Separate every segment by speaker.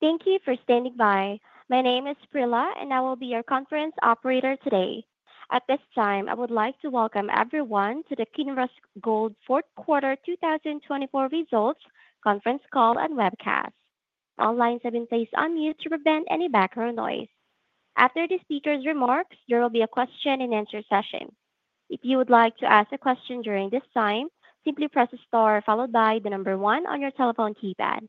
Speaker 1: Thank you for standing by. My name is Prila, and I will be your conference operator today. At this time, I would like to welcome everyone to the Kinross Gold Fourth Quarter 2024 results conference call and webcast. All lines have been placed on mute to prevent any background noise. After the speaker's remarks, there will be a question-and-answer session. If you would like to ask a question during this time, simply press the star followed by the number one on your telephone keypad.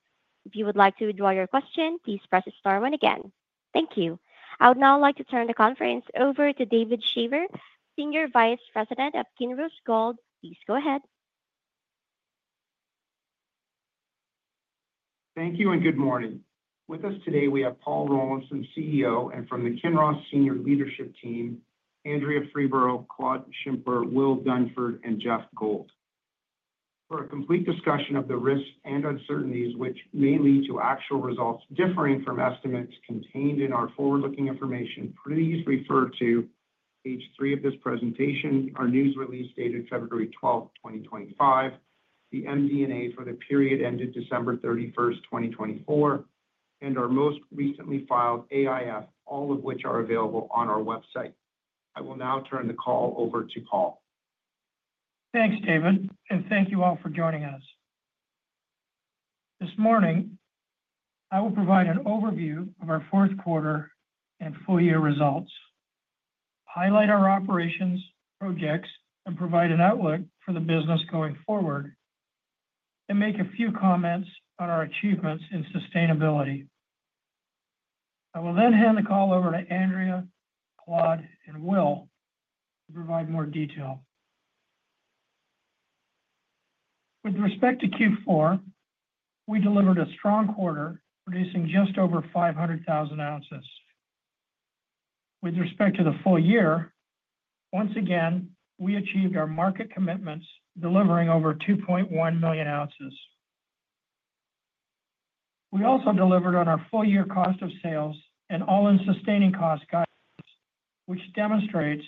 Speaker 1: If you would like to withdraw your question, please press the star again. Thank you. I would now like to turn the conference over to David Shaver, Senior Vice President of Kinross Gold. Please go ahead.
Speaker 2: Thank you and good morning. With us today, we have Paul Rollinson, CEO, and from the Kinross Senior Leadership Team, Andrea Freeborough, Claude Schimper, Will Dunford, and Geoff Gold. For a complete discussion of the risks and uncertainties which may lead to actual results differing from estimates contained in our forward-looking information, please refer to page three of this presentation, our news release dated February 12th, 2025, the MD&A for the period ended December 31st, 2024, and our most recently filed AIF, all of which are available on our website. I will now turn the call over to Paul.
Speaker 3: Thanks, David, and thank you all for joining us. This morning, I will provide an overview of our fourth quarter and full-year results, highlight our operations, projects, and provide an outlook for the business going forward, and make a few comments on our achievements in sustainability. I will then hand the call over to Andrea, Claude, and Will to provide more detail. With respect to Q4, we delivered a strong quarter, producing just over 500,000 oz. With respect to the full year, once again, we achieved our market commitments, delivering over 2.1 million oz. We also delivered on our full-year cost of sales and all-in sustaining cost guidance, which demonstrates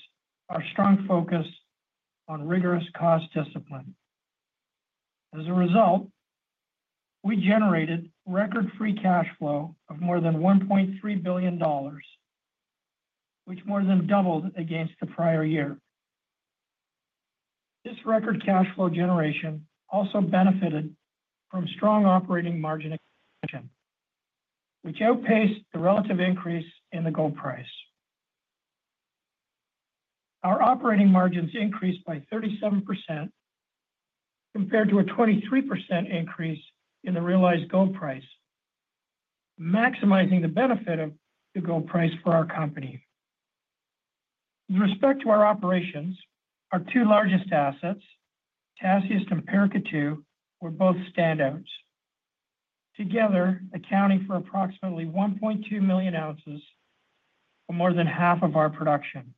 Speaker 3: our strong focus on rigorous cost discipline. As a result, we generated record free cash flow of more than $1.3 billion, which more than doubled against the prior year. This record cash flow generation also benefited from strong operating margin action, which outpaced the relative increase in the gold price. Our operating margins increased by 37% compared to a 23% increase in the realized gold price, maximizing the benefit of the gold price for our company. With respect to our operations, our two largest assets, Tasiast and Paracatu, were both standouts, together accounting for approximately 1.2 million oz, more than half of our production.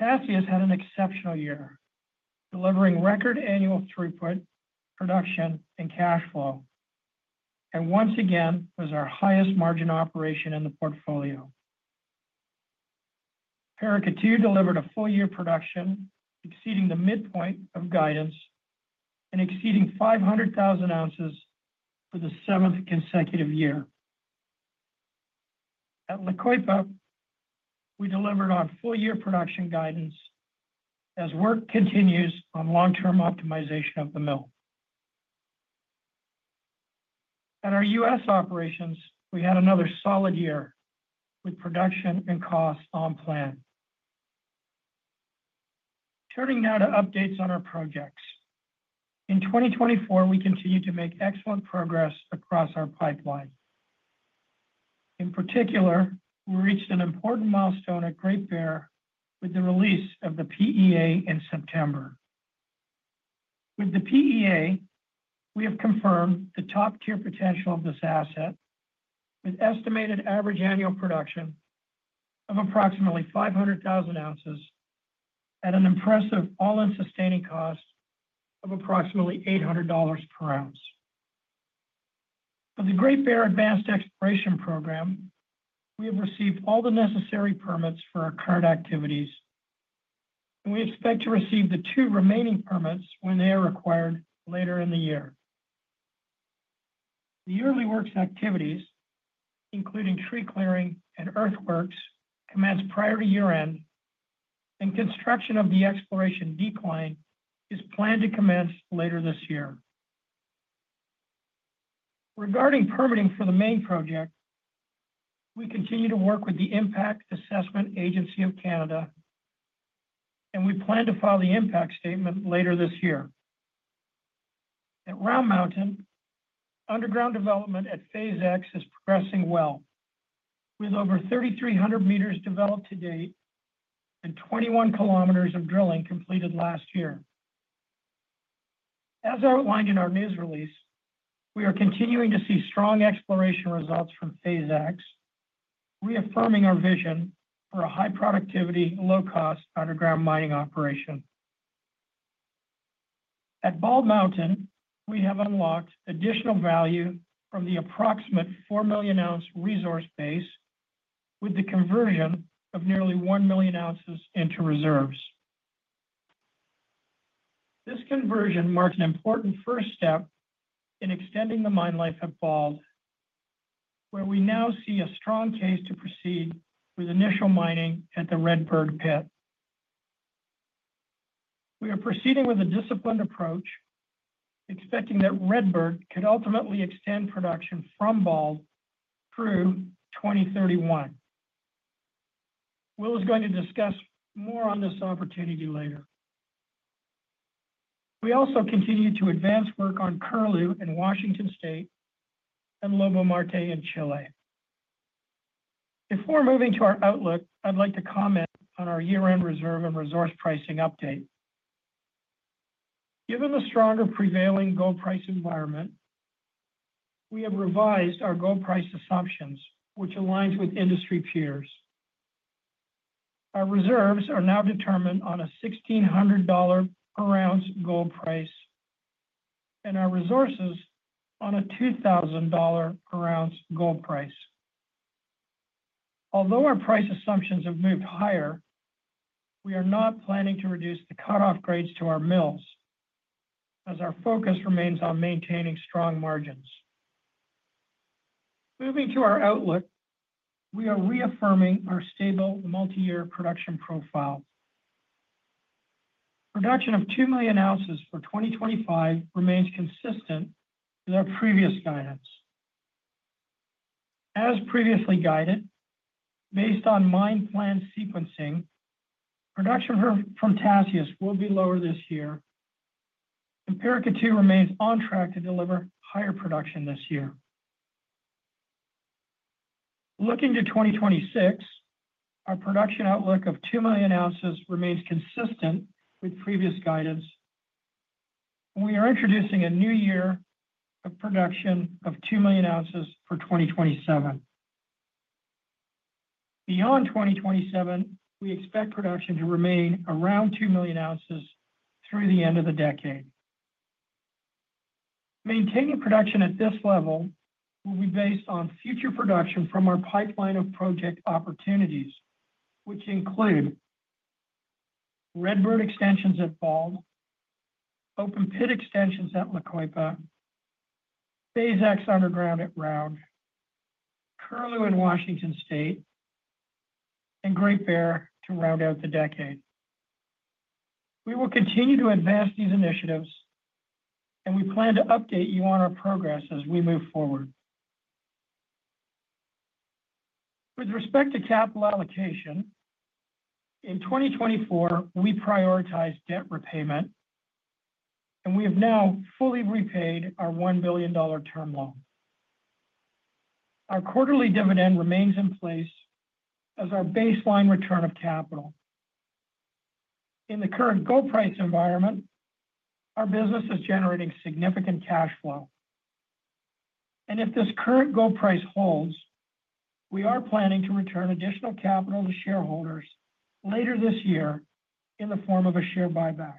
Speaker 3: Tasiast had an exceptional year, delivering record annual throughput, production, and cash flow, and once again was our highest margin operation in the portfolio. Paracatu delivered a full-year production exceeding the midpoint of guidance and exceeding 500,000 oz for the 7th consecutive year. At La Coipa, we delivered on full-year production guidance as work continues on long-term optimization of the mill. At our U.S. Operations, we had another solid year with production and costs on plan. Turning now to updates on our projects. In 2024, we continue to make excellent progress across our pipeline. In particular, we reached an important milestone at Great Bear with the release of the PEA in September. With the PEA, we have confirmed the top-tier potential of this asset, with estimated average annual production of approximately 500,000 oz at an impressive all-in sustaining cost of approximately $800 per oz. For the Great Bear Advanced Exploration Program, we have received all the necessary permits for our current activities, and we expect to receive the two remaining permits when they are required later in the year. The yearly works activities, including tree clearing and earthworks, commence prior to year-end, and construction of the exploration decline is planned to commence later this year. Regarding permitting for the main project, we continue to work with the Impact Assessment Agency of Canada, and we plan to file the impact statement later this year. At Round Mountain, underground development at Phase X is progressing well, with over 3,300 m developed to date and 21 km of drilling completed last year. As outlined in our news release, we are continuing to see strong exploration results from Phase X, reaffirming our vision for a high productivity, low-cost underground mining operation. At Bald Mountain, we have unlocked additional value from the approximate 4 million oz resource base with the conversion of nearly 1 million oz into reserves. This conversion marks an important first step in extending the mine life at Bald, where we now see a strong case to proceed with initial mining at the Redbird pit. We are proceeding with a disciplined approach, expecting that Redbird could ultimately extend production from Bald through 2031. Will is going to discuss more on this opportunity later. We also continue to advance work on Curlew in Washington State and Lobo-Marte in Chile. Before moving to our outlook, I'd like to comment on our year-end reserve and resource pricing update. Given the stronger prevailing gold price environment, we have revised our gold price assumptions, which aligns with industry peers. Our reserves are now determined on a $1,600 per oz gold price and our resources on a $2,000 per oz gold price. Although our price assumptions have moved higher, we are not planning to reduce the cutoff grades to our mills as our focus remains on maintaining strong margins. Moving to our outlook, we are reaffirming our stable multi-year production profile. Production of 2 million oz for 2025 remains consistent with our previous guidance. As previously guided, based on mine plan sequencing, production from Tasiast will be lower this year, and Paracatu remains on track to deliver higher production this year. Looking to 2026, our production outlook of 2 million oz remains consistent with previous guidance, and we are introducing a new year of production of 2 million oz for 2027. Beyond 2027, we expect production to remain around 2 million oz through the end of the decade. Maintaining production at this level will be based on future production from our pipeline of project opportunities, which include Redbird extensions at Bald Mountain, open-pit extensions at La Coipa, Phase X underground at Round Mountain, Curlew in Washington State, and Great Bear to round out the decade. We will continue to advance these initiatives, and we plan to update you on our progress as we move forward. With respect to capital allocation, in 2024, we prioritized debt repayment, and we have now fully repaid our $1 billion term loan. Our quarterly dividend remains in place as our baseline return of capital. In the current gold price environment, our business is generating significant cash flow, and if this current gold price holds, we are planning to return additional capital to shareholders later this year in the form of a share buyback.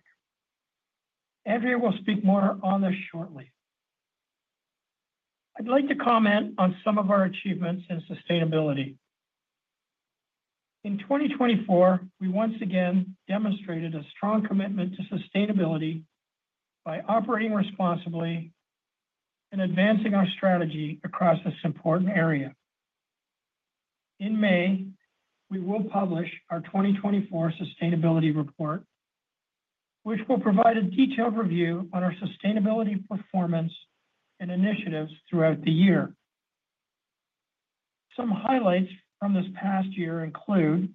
Speaker 3: Andrea will speak more on this shortly. I'd like to comment on some of our achievements in sustainability. In 2024, we once again demonstrated a strong commitment to sustainability by operating responsibly and advancing our strategy across this important area. In May, we will publish our 2024 sustainability report, which will provide a detailed review on our sustainability performance and initiatives throughout the year. Some highlights from this past year include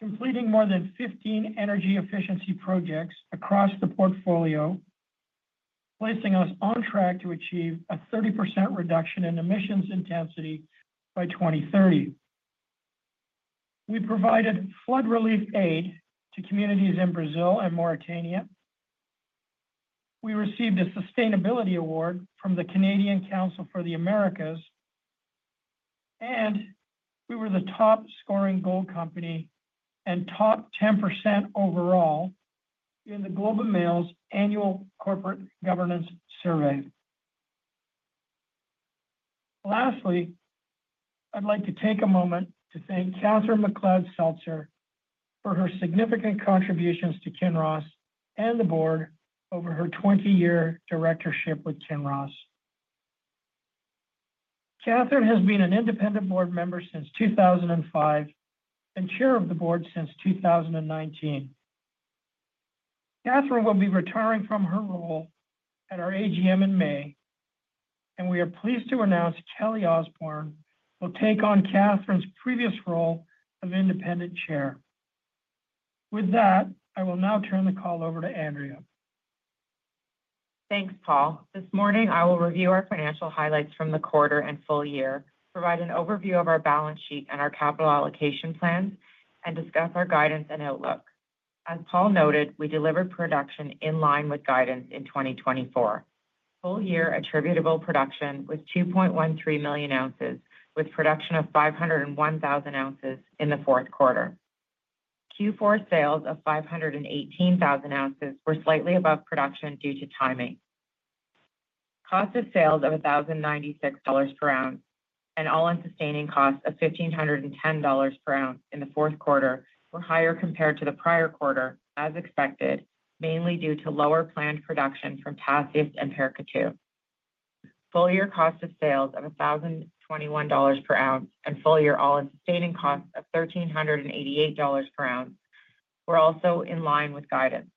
Speaker 3: completing more than 15 energy efficiency projects across the portfolio, placing us on track to achieve a 30% reduction in emissions intensity by 2030. We provided flood relief aid to communities in Brazil and Mauritania. We received a sustainability award from the Canadian Council for the Americas, and we were the top-scoring gold company and top 10% overall in the Globe and Mail Annual Corporate Governance Survey. Lastly, I'd like to take a moment to thank Catherine McLeod-Seltzer for her significant contributions to Kinross and the board over her 20-year directorship with Kinross. Catherine has been an independent board member since 2005 and chair of the board since 2019. Catherine will be retiring from her role at our AGM in May, and we are pleased to announce Kelly Osborne will take on Catherine's previous role of independent chair. With that, I will now turn the call over to Andrea.
Speaker 4: Thanks, Paul. This morning, I will review our financial highlights from the quarter and full year, provide an overview of our balance sheet and our capital allocation plans, and discuss our guidance and outlook. As Paul noted, we delivered production in line with guidance in 2024. Full-year attributable production was 2.13 million oz, with production of 501,000 oz in the fourth quarter. Q4 sales of 518,000 oz were slightly above production due to timing. Cost of sales of $1,096 per oz and all-in sustaining cost of $1,510 per oz in the fourth quarter were higher compared to the prior quarter, as expected, mainly due to lower planned production from Tasiast and Paracatu. Full-year cost of sales of $1,021 per oz and full-year all-in sustaining cost of $1,388 per oz were also in line with guidance.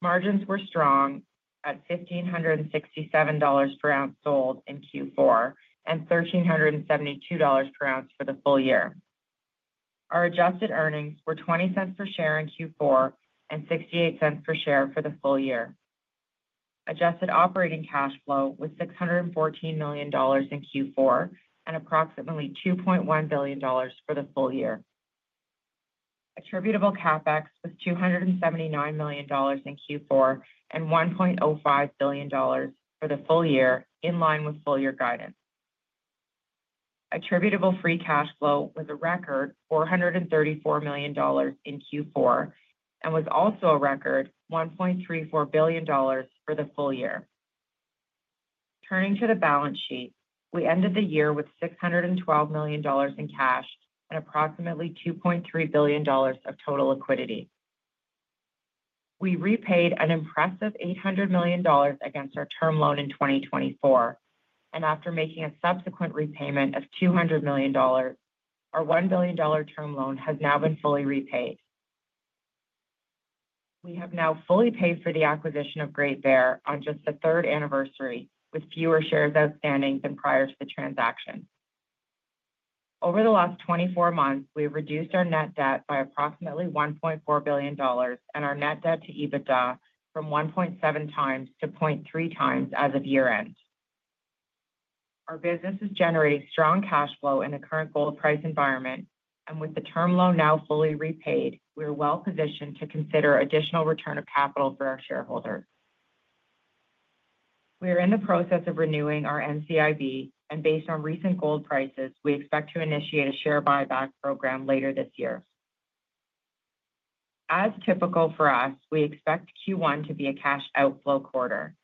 Speaker 4: Margins were strong at $1,567 per oz sold in Q4 and $1,372 per oz for the full year. Our adjusted earnings were $0.20 per share in Q4 and $0.68 per share for the full year. Adjusted operating cash flow was $614 million in Q4 and approximately $2.1 billion for the full year. Attributable CapEx was $279 million in Q4 and $1.05 billion for the full year in line with full-year guidance. Attributable free cash flow was a record $434 million in Q4 and was also a record $1.34 billion for the full year. Turning to the balance sheet, we ended the year with $612 million in cash and approximately $2.3 billion of total liquidity. We repaid an impressive $800 million against our term loan in 2024, and after making a subsequent repayment of $200 million, our $1 billion term loan has now been fully repaid. We have now fully paid for the acquisition of Great Bear on just the third anniversary, with fewer shares outstanding than prior to the transaction. Over the last 24 months, we have reduced our net debt by approximately $1.4 billion and our net debt to EBITDA from 1.7x to 0.3x as of year-end. Our business is generating strong cash flow in the current gold price environment, and with the term loan now fully repaid, we are well positioned to consider additional return of capital for our shareholders. We are in the process of renewing our NCIB, and based on recent gold prices, we expect to initiate a share buyback program later this year. As typical for us, we expect Q1 to be a cash outflow quarter.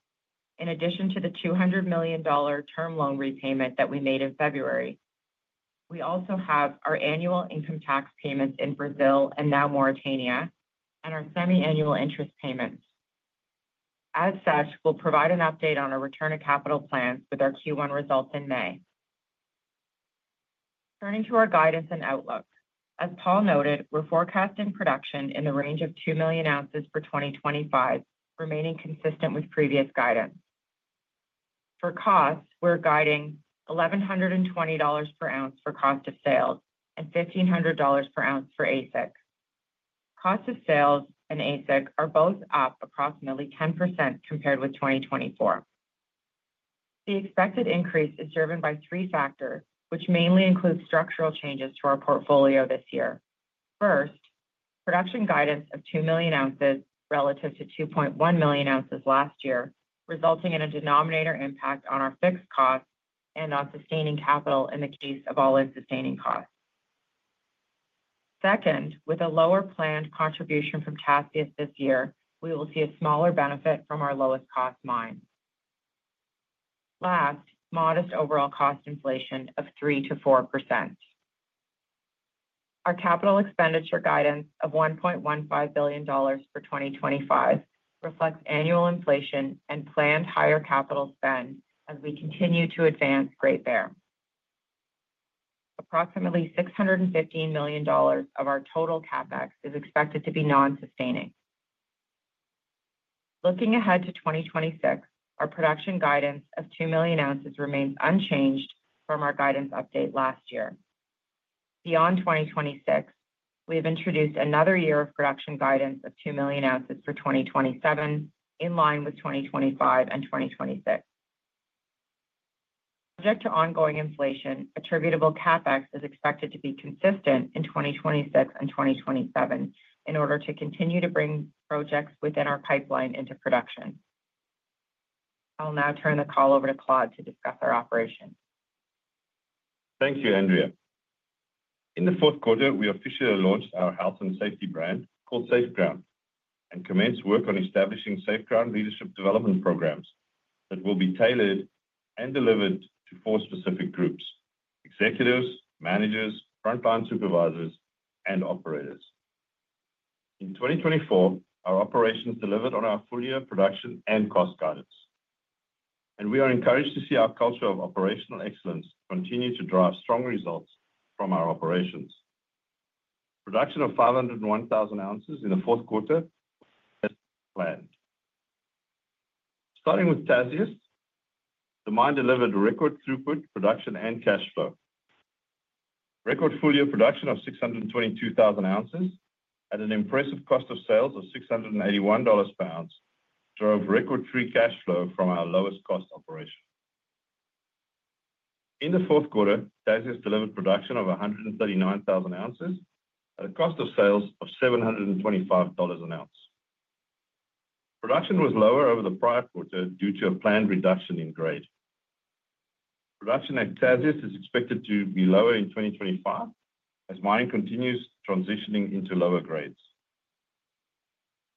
Speaker 4: In addition to the $200 million term loan repayment that we made in February, we also have our annual income tax payments in Brazil and now Mauritania and our semi-annual interest payments. As such, we'll provide an update on our return of capital plans with our Q1 results in May. Turning to our guidance and outlook. As Paul noted, we're forecasting production in the range of 2 million oz for 2025, remaining consistent with previous guidance. For costs, we're guiding $1,120 per oz for cost of sales and $1,500 per oz for AISC. Cost of sales and AISC are both up approximately 10% compared with 2024. The expected increase is driven by three factors, which mainly include structural changes to our portfolio this year. First, production guidance of 2 million oz relative to 2.1 million oz last year, resulting in a denominator impact on our fixed costs and on sustaining capital in the case of all-in sustaining costs. Second, with a lower planned contribution from Tasiast this year, we will see a smaller benefit from our lowest-cost mine. Last, modest overall cost inflation of 3%-4%. Our capital expenditure guidance of $1.15 billion for 2025 reflects annual inflation and planned higher capital spend as we continue to advance Great Bear. Approximately $615 million of our total CapEx is expected to be non-sustaining. Looking ahead to 2026, our production guidance of 2 million oz remains unchanged from our guidance update last year. Beyond 2026, we have introduced another year of production guidance of 2 million oz for 2027 in line with 2025 and 2026. Subject to ongoing inflation, attributable CapEx is expected to be consistent in 2026 and 2027 in order to continue to bring projects within our pipeline into production. I'll now turn the call over to Claude to discuss our operations.
Speaker 5: Thank you, Andrea. In the fourth quarter, we officially launched our health and safety brand called Safeground and commenced work on establishing Safeground leadership development program that will be tailored and delivered to four specific groups: executives, managers, frontline supervisors, and operators. In 2024, our operations delivered on our full-year production and cost guidance, and we are encouraged to see our culture of operational excellence continue to drive strong results from our operations. Production of 501,000 oz in the fourth quarter was planned. Starting with Tasiast, the mine delivered record throughput, production, and cash flow. Record full-year production of 622,000 oz at an impressive cost of sales of $681 per oz drove record free cash flow from our lowest-cost operation. In the fourth quarter, Tasiast delivered production of 139,000 oz at a cost of sales of $725 an oz. Production was lower over the prior quarter due to a planned reduction in grade. Production at Tasiast is expected to be lower in 2025 as mining continues transitioning into lower grades.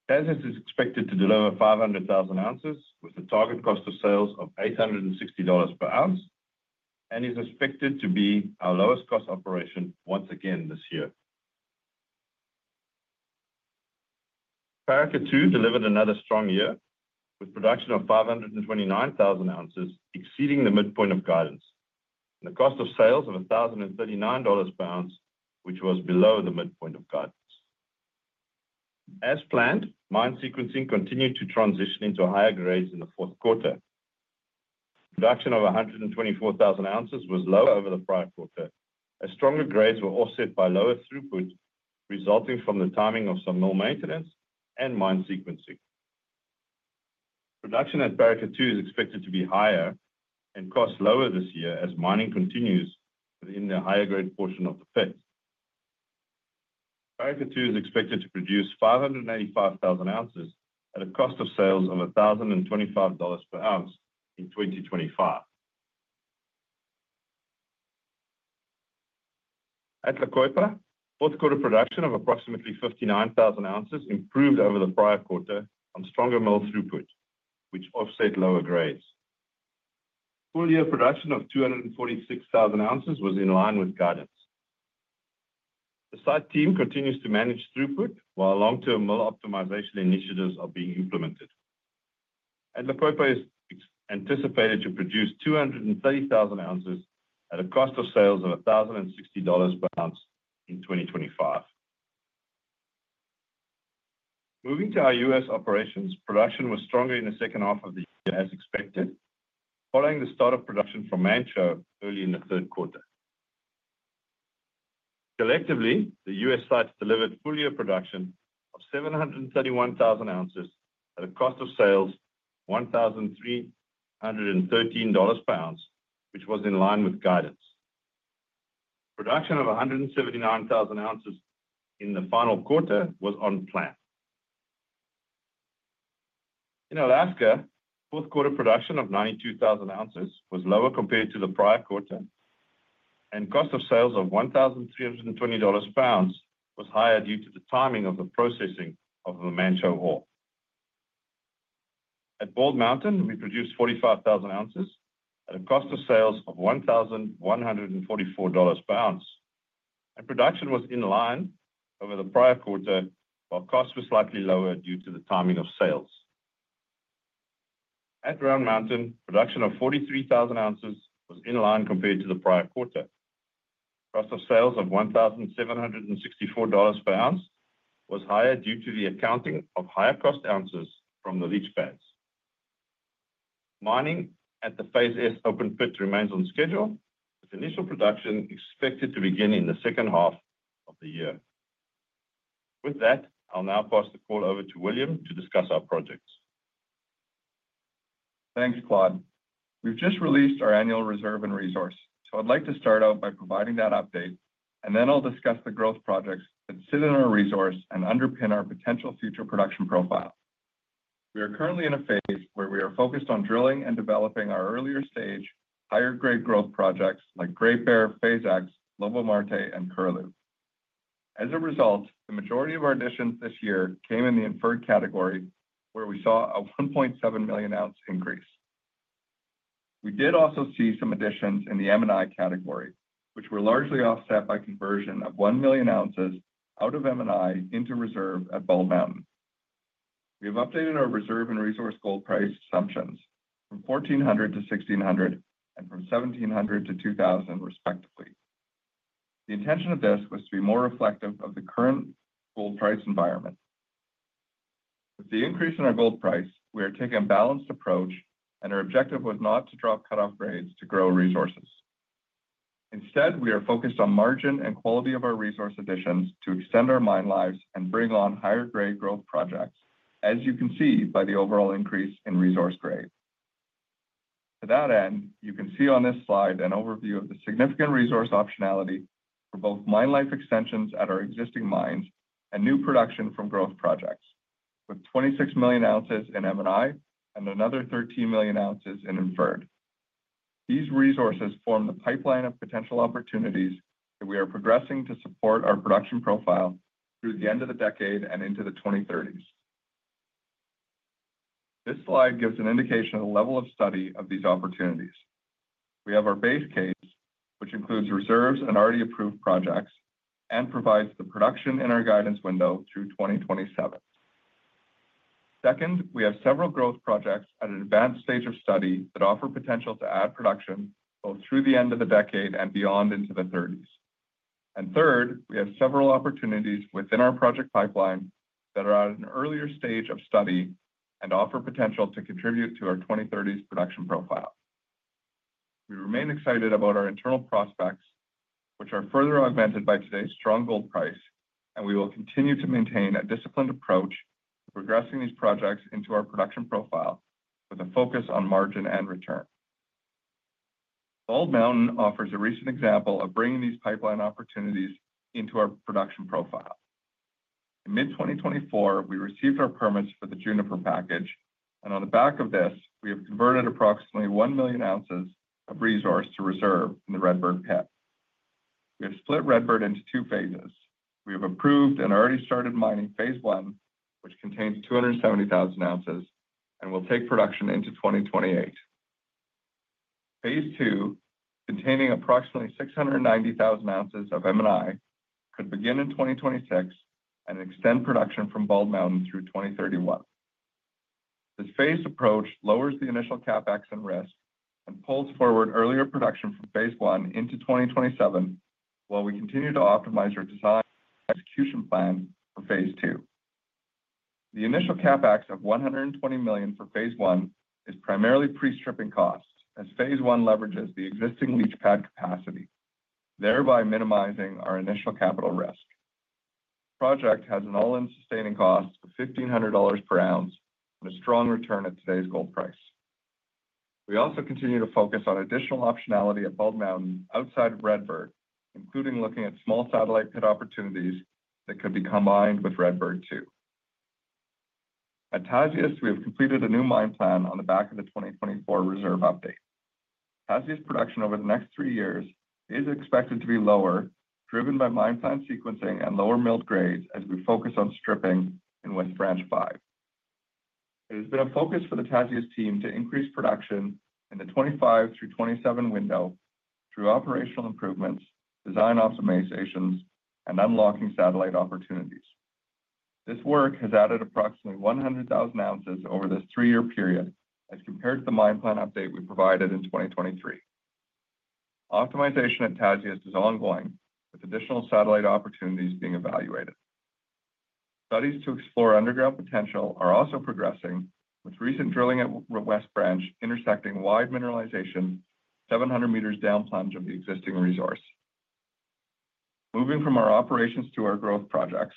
Speaker 5: Tasiast is expected to deliver 500,000 oz with a target cost of sales of $860 per oz and is expected to be our lowest-cost operation once again this year. Paracatu delivered another strong year with production of 529,000 oz, exceeding the midpoint of guidance, and a cost of sales of $1,039 per oz, which was below the midpoint of guidance. As planned, mine sequencing continued to transition into higher grades in the fourth quarter. Production of 124,000 oz was lower over the prior quarter, as stronger grades were offset by lower throughput resulting from the timing of some more maintenance and mine sequencing. Production at Paracatu is expected to be higher and cost lower this year as mining continues within the higher-grade portion of the pit. Paracatu is expected to produce 585,000 oz at a cost of sales of $1,025 per oz in 2025. At La Coipa, fourth-quarter production of approximately 59,000 oz improved over the prior quarter on stronger mill throughput, which offset lower grades. Full-year production of 246,000 oz was in line with guidance. The site team continues to manage throughput while long-term mill optimization initiatives are being implemented. At La Coipa, it is anticipated to produce 230,000 oz at a cost of sales of $1,060 per oz in 2025. Moving to our U.S. operations, production was stronger in the second half of the year as expected, following the start of production from Manh Choh early in the third quarter. Collectively, the U.S. sites delivered full-year production of 731,000 oz at a cost of sales of $1,313 per oz, which was in line with guidance. Production of 179,000 oz in the final quarter was on plan. In Alaska, fourth-quarter production of 92,000 oz was lower compared to the prior quarter, and cost of sales of $1,320 per oz was higher due to the timing of the processing of the Manh Choh ore. At Bald Mountain, we produced 45,000 oz at a cost of sales of $1,144 per oz, and production was in line over the prior quarter, while cost was slightly lower due to the timing of sales. At Round Mountain, production of 43,000 oz was in line compared to the prior quarter. Cost of sales of $1,764 per oz was higher due to the accounting of higher-cost oz from the leach pads. Mining at the Phase S open pit remains on schedule, with initial production expected to begin in the second half of the year. With that, I'll now pass the call over to William to discuss our projects.
Speaker 6: Thanks, Claude. We've just released our annual reserve and resource, so I'd like to start out by providing that update, and then I'll discuss the growth projects that sit in our resource and underpin our potential future production profile. We are currently in a phase where we are focused on drilling and developing our earlier stage higher-grade growth projects like Great Bear Phase X, Lobo-Marte, and Curlew. As a result, the majority of our additions this year came in the inferred category, where we saw a 1.7 million oz increase. We did also see some additions in the M&I category, which were largely offset by conversion of 1 million oz out of M&I into reserve at Bald Mountain. We have updated our reserve and resource gold price assumptions from $1,400-$1,600 and from $1,700-$2,000, respectively. The intention of this was to be more reflective of the current gold price environment. With the increase in our gold price, we are taking a balanced approach, and our objective was not to drop cut-off grades to grow resources. Instead, we are focused on margin and quality of our resource additions to extend our mine lives and bring on higher-grade growth projects, as you can see by the overall increase in resource grade. To that end, you can see on this slide an overview of the significant resource optionality for both mine life extensions at our existing mines and new production from growth projects, with 26 million oz in M&I and another 13 million oz in inferred. These resources form the pipeline of potential opportunities that we are progressing to support our production profile through the end of the decade and into the 2030s. This slide gives an indication of the level of study of these opportunities. We have our base case, which includes reserves and already approved projects and provides the production in our guidance window through 2027. Second, we have several growth projects at an advanced stage of study that offer potential to add production both through the end of the decade and beyond into the '30s. And third, we have several opportunities within our project pipeline that are at an earlier stage of study and offer potential to contribute to our 2030s production profile. We remain excited about our internal prospects, which are further augmented by today's strong gold price, and we will continue to maintain a disciplined approach to progressing these projects into our production profile with a focus on margin and return. Bald Mountain offers a recent example of bringing these pipeline opportunities into our production profile. In mid-2024, we received our permits for the Juniper package, and on the back of this, we have converted approximately 1 million oz of resource to reserve in the Redbird pit. We have split Redbird into two phases. We have approved and already started mining phase I, which contains 270,000 oz and will take production into 2028, phase II, containing approximately 690,000 oz of M&I, could begin in 2026 and extend production from Bald Mountain through 2031. This phased approach lowers the initial CapEx and risk and pulls forward earlier production from phase I into 2027 while we continue to optimize our design and execution plan for phase II. The initial CapEx of $120 million for phase I is primarily pre-stripping costs, as phase I leverages the existing leach pad capacity, thereby minimizing our initial capital risk. The project has an all-in sustaining cost of $1,500 per oz and a strong return at today's gold price. We also continue to focus on additional optionality at Bald Mountain outside of Redbird, including looking at small satellite pit opportunities that could be combined with Redbird too. At Tasiast, we have completed a new mine plan on the back of the 2024 reserve update. Tasiast production over the next three years is expected to be lower, driven by mine plan sequencing and lower milled grades as we focus on stripping in West Branch 5. It has been a focus for the Tasiast team to increase production in the 2025 through 2027 window through operational improvements, design optimizations, and unlocking satellite opportunities. This work has added approximately 100,000 oz over this three-year period as compared to the mine plan update we provided in 2023. Optimization at Tasiast is ongoing, with additional satellite opportunities being evaluated. Studies to explore underground potential are also progressing, with recent drilling at West Branch intersecting wide mineralization 700 m down plunge of the existing resource. Moving from our operations to our growth projects,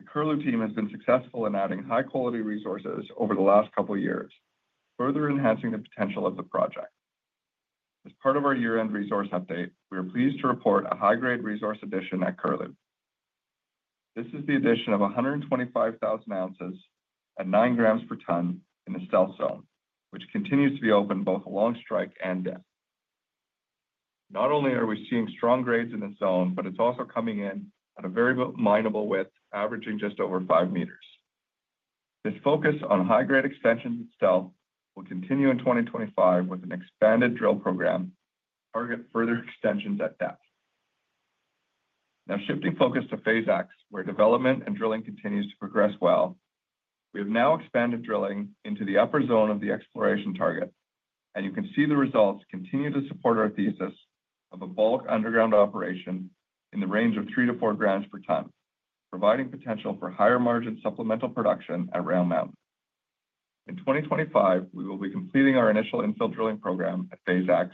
Speaker 6: the Curlew team has been successful in adding high-quality resources over the last couple of years, further enhancing the potential of the project. As part of our year-end resource update, we are pleased to report a high-grade resource addition at Curlew. This is the addition of 125,000 oz at 9 g per ton in the Stealth Zone, which continues to be open both along strike and dip. Not only are we seeing strong grades in the zone, but it's also coming in at a very minable width, averaging just over 5 m. This focus on high-grade extensions itself will continue in 2025 with an expanded drill program to target further extensions at depth. Now, shifting focus to Phase X, where development and drilling continues to progress well, we have now expanded drilling into the upper zone of the exploration target, and you can see the results continue to support our thesis of a bulk underground operation in the range of three to 4 g per ton, providing potential for higher margin supplemental production at Round Mountain. In 2025, we will be completing our initial infill drilling program at Phase X,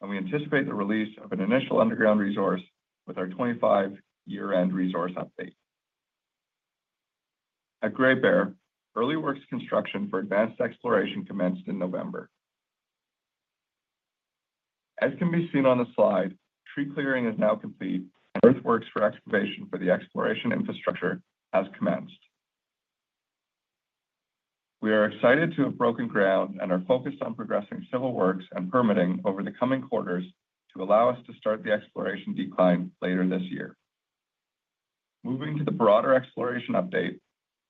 Speaker 6: and we anticipate the release of an initial underground resource with our 2025 year-end resource update. At Great Bear, early works construction for advanced exploration commenced in November. As can be seen on the slide, tree clearing is now complete, and earthworks for excavation for the exploration infrastructure has commenced. We are excited to have broken ground and are focused on progressing civil works and permitting over the coming quarters to allow us to start the exploration decline later this year. Moving to the broader exploration update,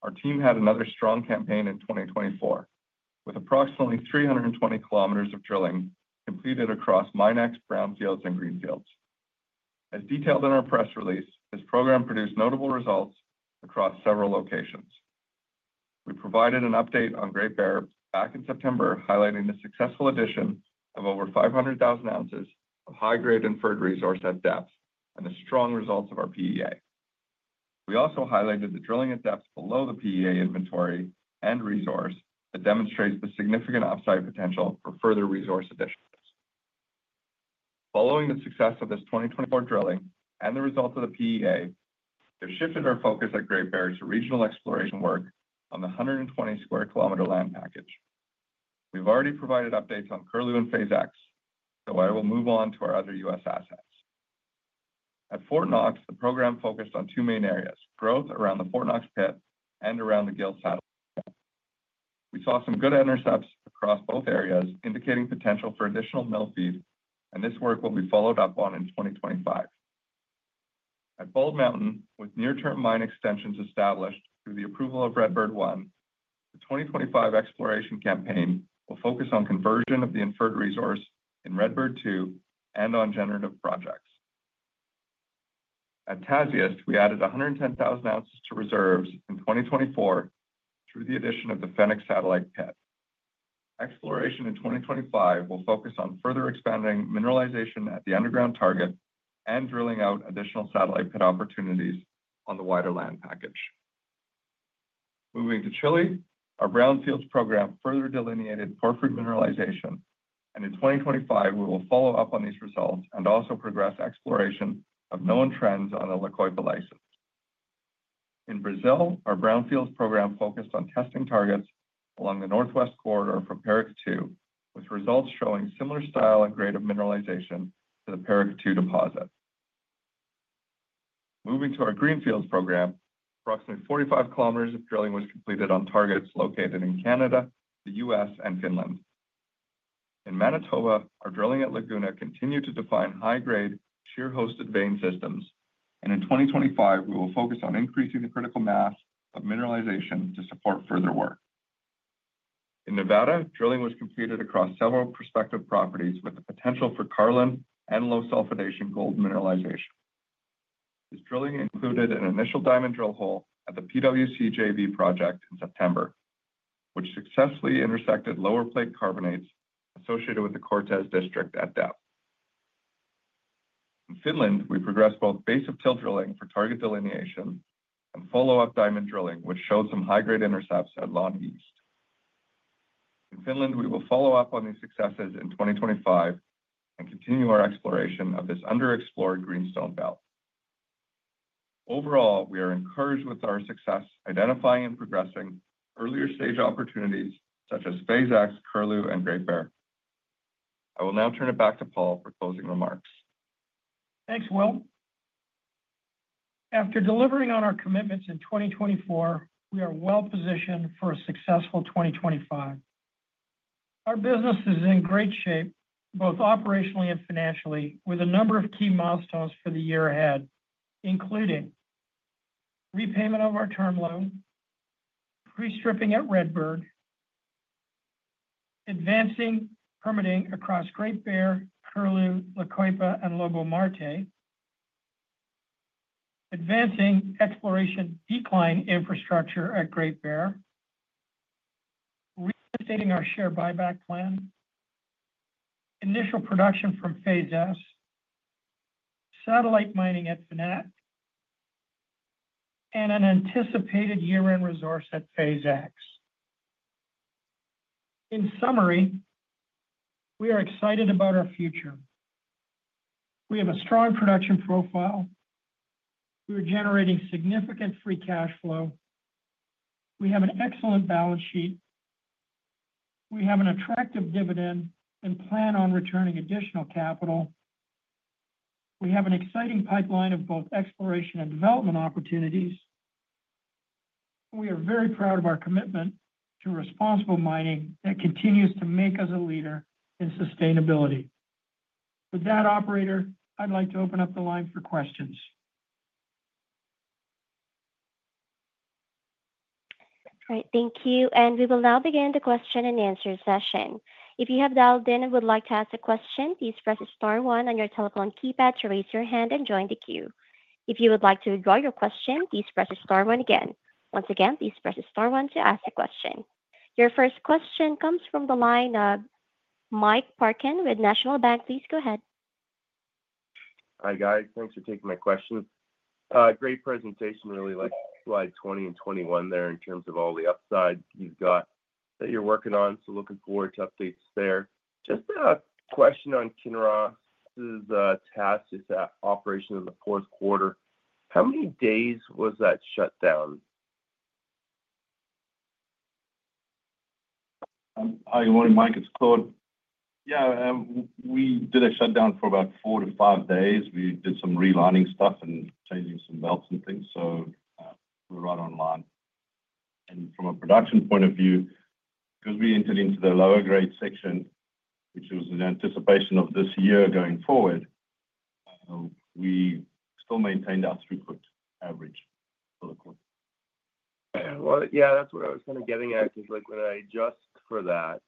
Speaker 6: our team had another strong campaign in 2024, with approximately 320 km of drilling completed across Minex, brownfields, and greenfields. As detailed in our press release, this program produced notable results across several locations. We provided an update on Great Bear back in September, highlighting the successful addition of over 500,000 oz of high-grade inferred resource at depth and the strong results of our PEA. We also highlighted the drilling at depth below the PEA inventory and resource that demonstrates the significant upside potential for further resource additions. Following the success of this 2024 drilling and the results of the PEA, we have shifted our focus at Great Bear to regional exploration work on the 120 sq km land package. We've already provided updates on Curlew and Phase X, so I will move on to our other U.S. assets. At Fort Knox, the program focused on two main areas: growth around the Fort Knox pit and around the Gil satellite pit. We saw some good intercepts across both areas, indicating potential for additional mill feed, and this work will be followed up on in 2025. At Tasiast, we added 110,000 oz to reserves in 2024 through the addition of the Fennec satellite pit. Exploration in 2025 will focus on further expanding mineralization at the underground target and drilling out additional satellite pit opportunities on the wider land package. Moving to Chile, our brownfields program further delineated porphyry mineralization, and in 2025, we will follow up on these results and also progress exploration of known trends on the La Coipa license. In Brazil, our brownfields program focused on testing targets along the northwest corridor from Paracatu, with results showing similar style and grade of mineralization to the Paracatu deposit. Moving to our greenfields program, approximately 45 km of drilling was completed on targets located in Canada, the U.S., and Finland. In Manitoba, our drilling at Laguna continued to define high-grade shear-hosted vein systems, and in 2025, we will focus on increasing the critical mass of mineralization to support further work. In Nevada, drilling was completed across several prospective properties with the potential for Carlin and Low Sulfidation gold mineralization. This drilling included an initial diamond drill hole at the PCJB project in September, which successfully intersected lower plate carbonates associated with the Cortez District at depth. In Finland, we progressed both base-of-till drilling for target delineation and follow-up diamond drilling, which showed some high-grade intercepts at Lawn East. In Finland, we will follow up on these successes in 2025 and continue our exploration of this underexplored greenstone belt. Overall, we are encouraged with our success identifying and progressing earlier stage opportunities such as Phase X, Curlew, and Great Bear. I will now turn it back to Paul for closing remarks.
Speaker 3: Thanks, Will. After delivering on our commitments in 2024, we are well positioned for a successful 2025. Our business is in great shape, both operationally and financially, with a number of key milestones for the year ahead, including repayment of our term loan, pre-stripping at Redbird, advancing permitting across Great Bear, Curlew, La Coipa, and Lobo-Marte, advancing exploration decline infrastructure at Great Bear, reinstating our share buyback plan, initial production from Phase S, satellite mining at Fennec, and an anticipated year-end resource at Phase X. In summary, we are excited about our future. We have a strong production profile. We are generating significant free cash flow. We have an excellent balance sheet. We have an attractive dividend and plan on returning additional capital. We have an exciting pipeline of both exploration and development opportunities. We are very proud of our commitment to responsible mining that continues to make us a leader in sustainability. With that, operator, I'd like to open up the line for questions.
Speaker 1: All right. Thank you. And we will now begin the question and answer session. If you have dialed in and would like to ask a question, please press star one on your telephone keypad to raise your hand and join the queue. If you would like to withdraw your question, please press star one again. Once again, please press star one to ask a question. Your first question comes from the line of Mike Parkin with National Bank. Please go ahead.
Speaker 7: Hi, guys. Thanks for taking my question. Great presentation, really, like slide 20 and 21 there in terms of all the upside you've got that you're working on. So looking forward to updates there. Just a question on Kinross's Tasiast operation in the fourth quarter. How many days was that shutdown?
Speaker 5: Hi, good morning, Mike. It's Claude. Yeah, we did a shutdown for about four to five days. We did some relining stuff and changing some belts and things. So we're right online. And from a production point of view, because we entered into the lower grade section, which was in anticipation of this year going forward, we still maintained our throughput average for the quarter.
Speaker 7: Well, yeah, that's what I was kind of getting at, because when I adjust for that,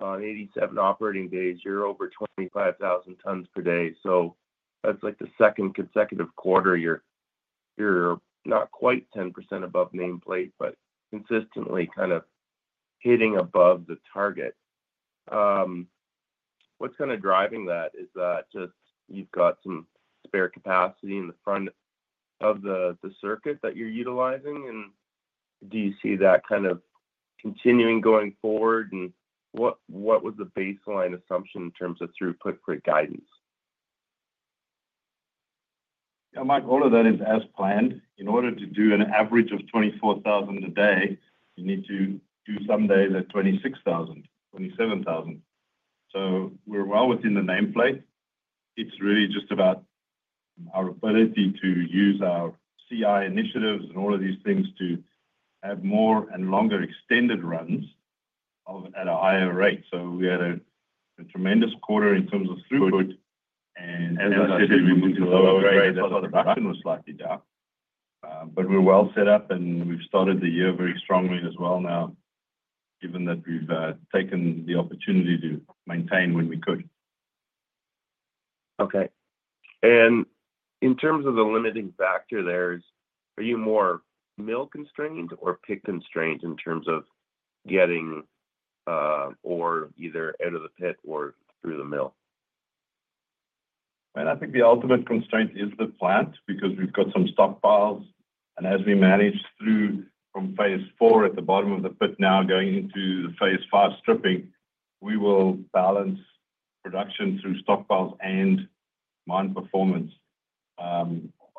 Speaker 7: on 87 operating days, you're over 25,000 tons per day. So that's like the second consecutive quarter year. You're not quite 10% above nameplate, but consistently kind of hitting above the target. What's kind of driving that is that just you've got some spare capacity in the front of the circuit that you're utilizing. And do you see that kind of continuing going forward? And what was the baseline assumption in terms of throughput guidance?
Speaker 5: Yeah, Mike, all of that is as planned. In order to do an average of 24,000 a day, you need to do some days at 26,000, 27,000. So we're well within the nameplate. It's really just about our ability to use our CI initiatives and all of these things to have more and longer extended runs at a higher rate. So we had a tremendous quarter in terms of throughput. And as I said, we moved to lower grade, so production was slightly down. But we're well set up, and we've started the year very strongly as well now, given that we've taken the opportunity to maintain when we could.
Speaker 7: Okay. And in terms of the limiting factor there, are you more mill constrained or pit constrained in terms of getting or either out of the pit or through the mill?
Speaker 5: I think the ultimate constraint is the plant because we've got some stockpiles. As we manage through from phase IV at the bottom of the pit now going into the phase V stripping, we will balance production through stockpiles and mine performance.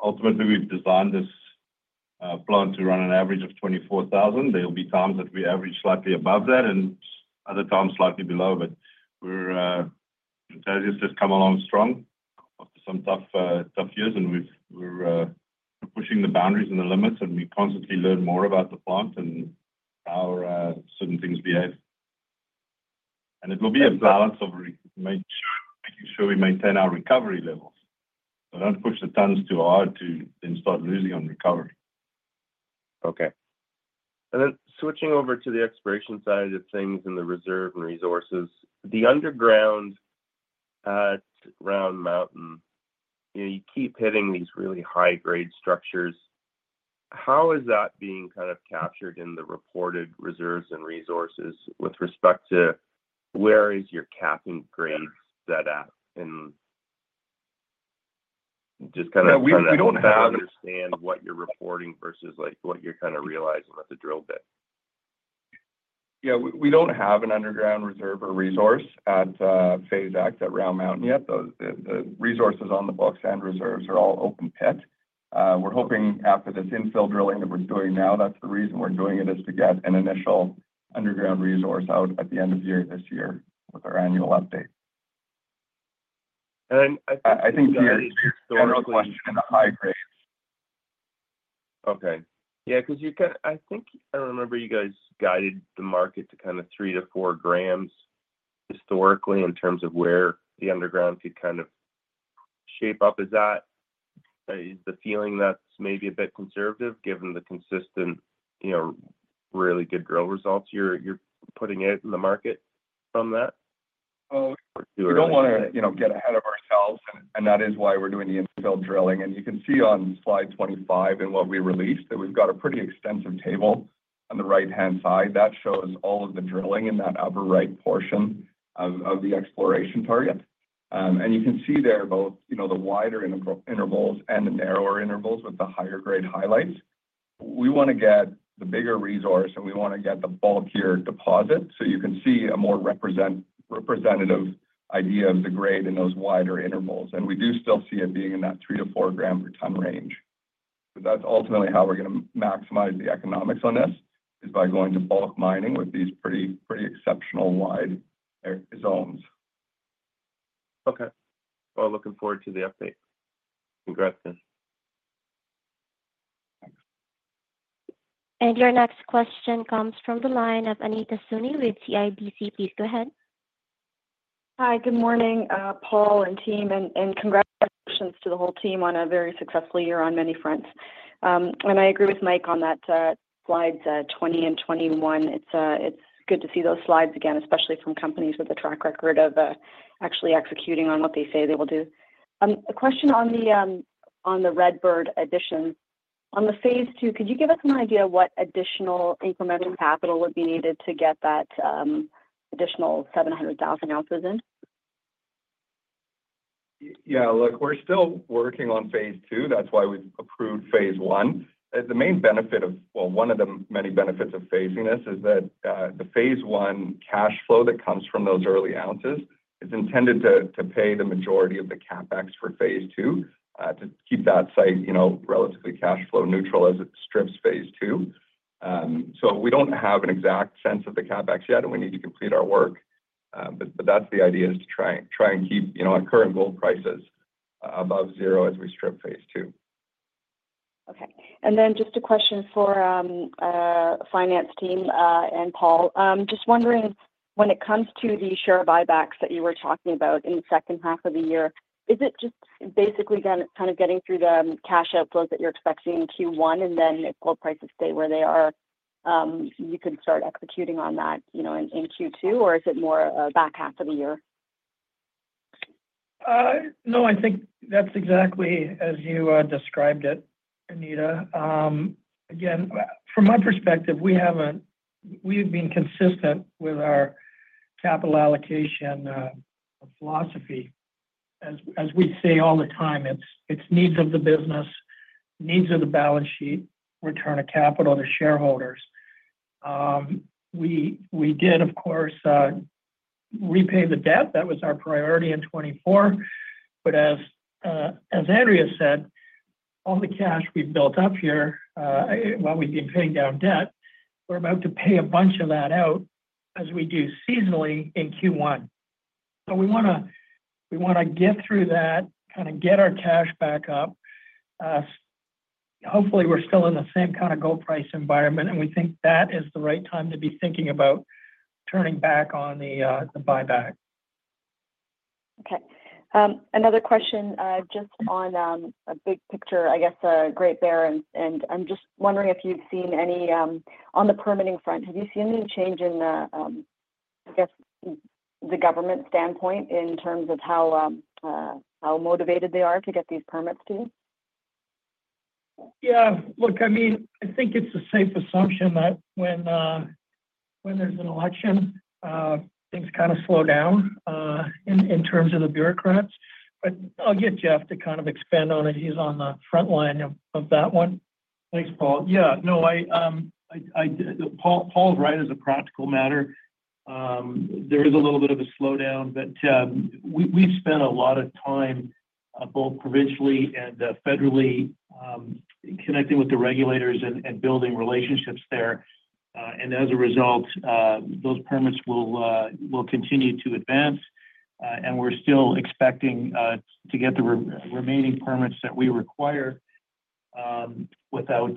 Speaker 5: Ultimately, we've designed this plant to run an average of 24,000. There will be times that we average slightly above that and other times slightly below, but we're just come along strong after some tough years, and we're pushing the boundaries and the limits, and we constantly learn more about the plant and how certain things behave. It will be a balance of making sure we maintain our recovery levels. Don't push the tons too hard to then start losing on recovery.
Speaker 7: Okay. And then switching over to the exploration side of things in the reserve and resources, the underground at Round Mountain, you keep hitting these really high-grade structures. How is that being kind of captured in the reported reserves and resources with respect to where is your capping grade set at? And, just kind of trying to understand what you're reporting versus what you're kind of realizing that the drill did.
Speaker 5: Yeah, we don't have an underground reserve or resource at Phase X at Round Mountain yet. The resources on the books and reserves are all open pit. We're hoping after this infill drilling that we're doing now, that's the reason we're doing it, is to get an initial underground resource out at the end of year this year with our annual update.
Speaker 7: And I think.
Speaker 5: I think geologically it's going to high grades.
Speaker 7: Okay. Yeah, because I think I remember you guys guided the market to kind of three to 4 g historically in terms of where the underground could kind of shape up. Is the feeling that's maybe a bit conservative given the consistent, really good drill results you're putting out in the market from that?
Speaker 5: Oh. We don't want to get ahead of ourselves, and that is why we're doing the infill drilling. You can see on slide 25 and what we released that we've got a pretty extensive table on the right-hand side that shows all of the drilling in that upper right portion of the exploration target. You can see there both the wider intervals and the narrower intervals with the higher grade highlights. We want to get the bigger resource, and we want to get the bulkier deposit so you can see a more representative idea of the grade in those wider intervals. We do still see it being in that three to four gram per ton range. That's ultimately how we're going to maximize the economics on this is by going to bulk mining with these pretty exceptional wide zones.
Speaker 7: Okay. Looking forward to the update. Congrats.
Speaker 1: And your next question comes from the line of Anita Soni with CIBC. Please go ahead.
Speaker 8: Hi, good morning, Paul and team, and congratulations to the whole team on a very successful year on many fronts, and I agree with Mike on that slide 20 and 21. It's good to see those slides again, especially from companies with a track record of actually executing on what they say they will do. A question on the Redbird addition. On the phase II, could you give us an idea of what additional incremental capital would be needed to get that additional 700,000 oz in?
Speaker 6: Yeah, look, we're still working on phase II. That's why we've approved phase I. The main benefit of, well, one of the many benefits of phasing this is that the phase I cash flow that comes from those early oz is intended to pay the majority of the CapEx for phase II to keep that site relatively cash flow neutral as it strips phase II. So we don't have an exact sense of the CapEx yet, and we need to complete our work. But that's the idea is to try and keep our current gold prices above zero as we strip phase II.
Speaker 8: Okay. And then just a question for finance team and Paul. Just wondering, when it comes to the share buybacks that you were talking about in the second half of the year, is it just basically kind of getting through the cash outflows that you're expecting in Q1, and then if gold prices stay where they are, you can start executing on that in Q2, or is it more a back half of the year?
Speaker 3: No, I think that's exactly as you described it, Anita. Again, from my perspective, we have been consistent with our capital allocation philosophy. As we say all the time, it's needs of the business, needs of the balance sheet, return of capital to shareholders. We did, of course, repay the debt. That was our priority in 2024. But as Andrea said, all the cash we've built up here, while we've been paying down debt, we're about to pay a bunch of that out as we do seasonally in Q1. So we want to get through that, kind of get our cash back up. Hopefully, we're still in the same kind of gold price environment, and we think that is the right time to be thinking about turning back on the buyback.
Speaker 8: Okay. Another question just on a big picture, I guess, Great Bear, and I'm just wondering if you've seen any on the permitting front, have you seen any change in, I guess, the government standpoint in terms of how motivated they are to get these permits to you?
Speaker 3: Yeah. Look, I mean, I think it's a safe assumption that when there's an election, things kind of slow down in terms of the bureaucrats. But I'll get Geoff to kind of expand on it. He's on the front line of that one.
Speaker 9: Thanks, Paul. Yeah. No, Paul's right as a practical matter. There is a little bit of a slowdown, but we've spent a lot of time both provincially and federally connecting with the regulators and building relationships there, and as a result, those permits will continue to advance, and we're still expecting to get the remaining permits that we require without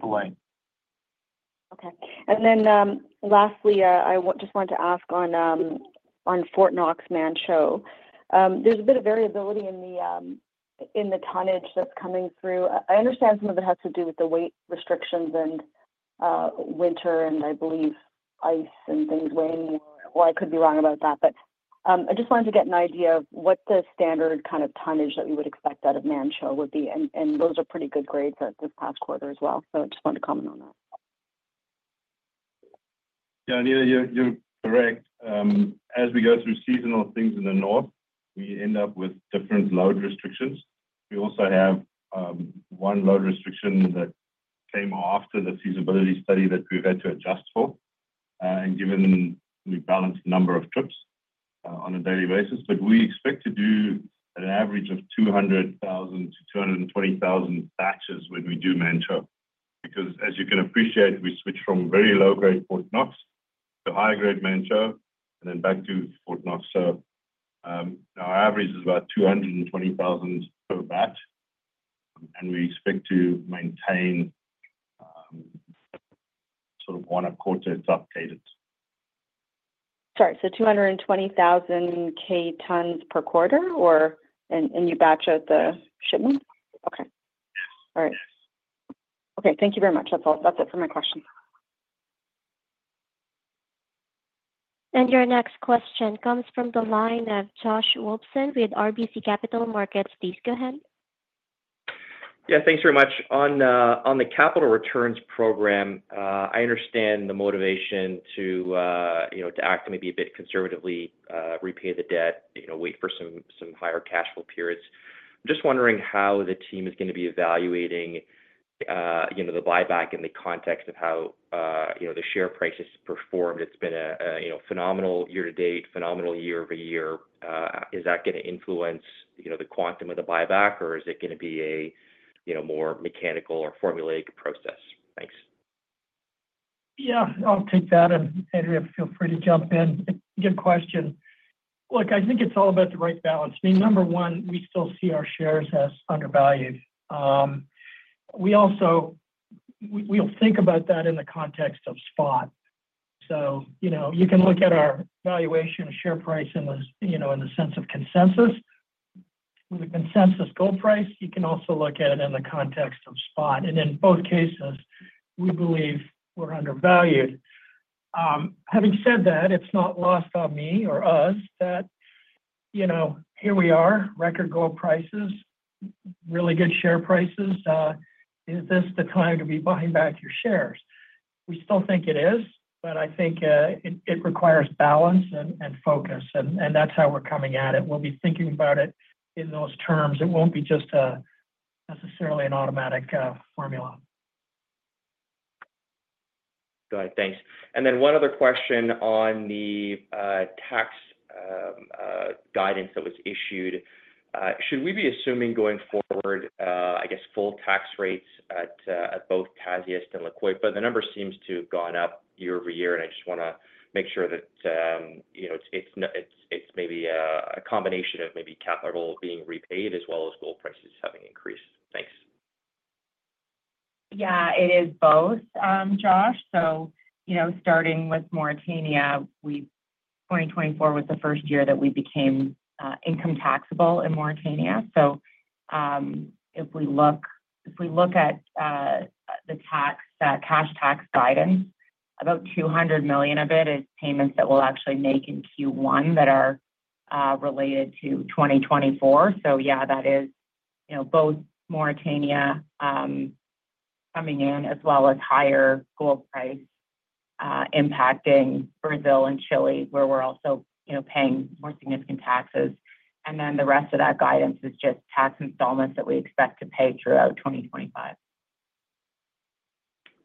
Speaker 9: delay.
Speaker 8: Okay. Then lastly, I just wanted to ask on Fort Knox Manh Choh. There's a bit of variability in the tonnage that's coming through. I understand some of it has to do with the weight restrictions and winter and I believe ice and things weighing more. Well, I could be wrong about that, but I just wanted to get an idea of what the standard kind of tonnage that we would expect out of Manh Choh would be. Those are pretty good grades this past quarter as well. I just wanted to comment on that.
Speaker 5: Yeah, Anita, you're correct. As we go through seasonal things in the north, we end up with different load restrictions. We also have one load restriction that came after the feasibility study that we've had to adjust for, and given we balanced the number of trips on a daily basis. But we expect to do an average of 200,000-220,000 batches when we do Manh Choh because, as you can appreciate, we switch from very low-grade Fort Knox to higher-grade Manh Choh and then back to Fort Knox. So our average is about 220,000 per batch, and we expect to maintain sort of one-quarter-ton cadence.
Speaker 8: Sorry. So 220,000 K tons per quarter, and you batch out the shipment? Okay.
Speaker 5: Yes.
Speaker 8: All right. Okay. Thank you very much. That's it for my questions.
Speaker 1: Your next question comes from the line of Josh Wolfson with RBC Capital Markets. Please go ahead.
Speaker 10: Yeah. Thanks very much. On the capital returns program, I understand the motivation to act maybe a bit conservatively, repay the debt, wait for some higher cash flow periods. I'm just wondering how the team is going to be evaluating the buyback in the context of how the share price has performed. It's been a phenomenal year to date, phenomenal year of a year. Is that going to influence the quantum of the buyback, or is it going to be a more mechanical or formulaic process? Thanks.
Speaker 3: Yeah, I'll take that. And Andrea, feel free to jump in. Good question. Look, I think it's all about the right balance. I mean, number one, we still see our shares as undervalued. We'll think about that in the context of spot. So you can look at our valuation of share price in the sense of consensus. With a consensus gold price, you can also look at it in the context of spot. And in both cases, we believe we're undervalued. Having said that, it's not lost on me or us that, here we are, record gold prices, really good share prices. Is this the time to be buying back your shares? We still think it is, but I think it requires balance and focus, and that's how we're coming at it. We'll be thinking about it in those terms. It won't be just necessarily an automatic formula.
Speaker 10: Got it. Thanks. And then one other question on the tax guidance that was issued. Should we be assuming going forward, I guess, full tax rates at both Tasiast and La Coipa, but the number seems to have gone up year over year, and I just want to make sure that it's maybe a combination of maybe capital being repaid as well as gold prices having increased. Thanks.
Speaker 4: Yeah, it is both, Josh. So starting with Mauritania, 2024 was the first year that we became income taxable in Mauritania. So if we look at the cash tax guidance, about $200 million of it is payments that we'll actually make in Q1 that are related to 2024. So yeah, that is both Mauritania coming in as well as higher gold price impacting Brazil and Chile, where we're also paying more significant taxes. And then the rest of that guidance is just tax installments that we expect to pay throughout 2025.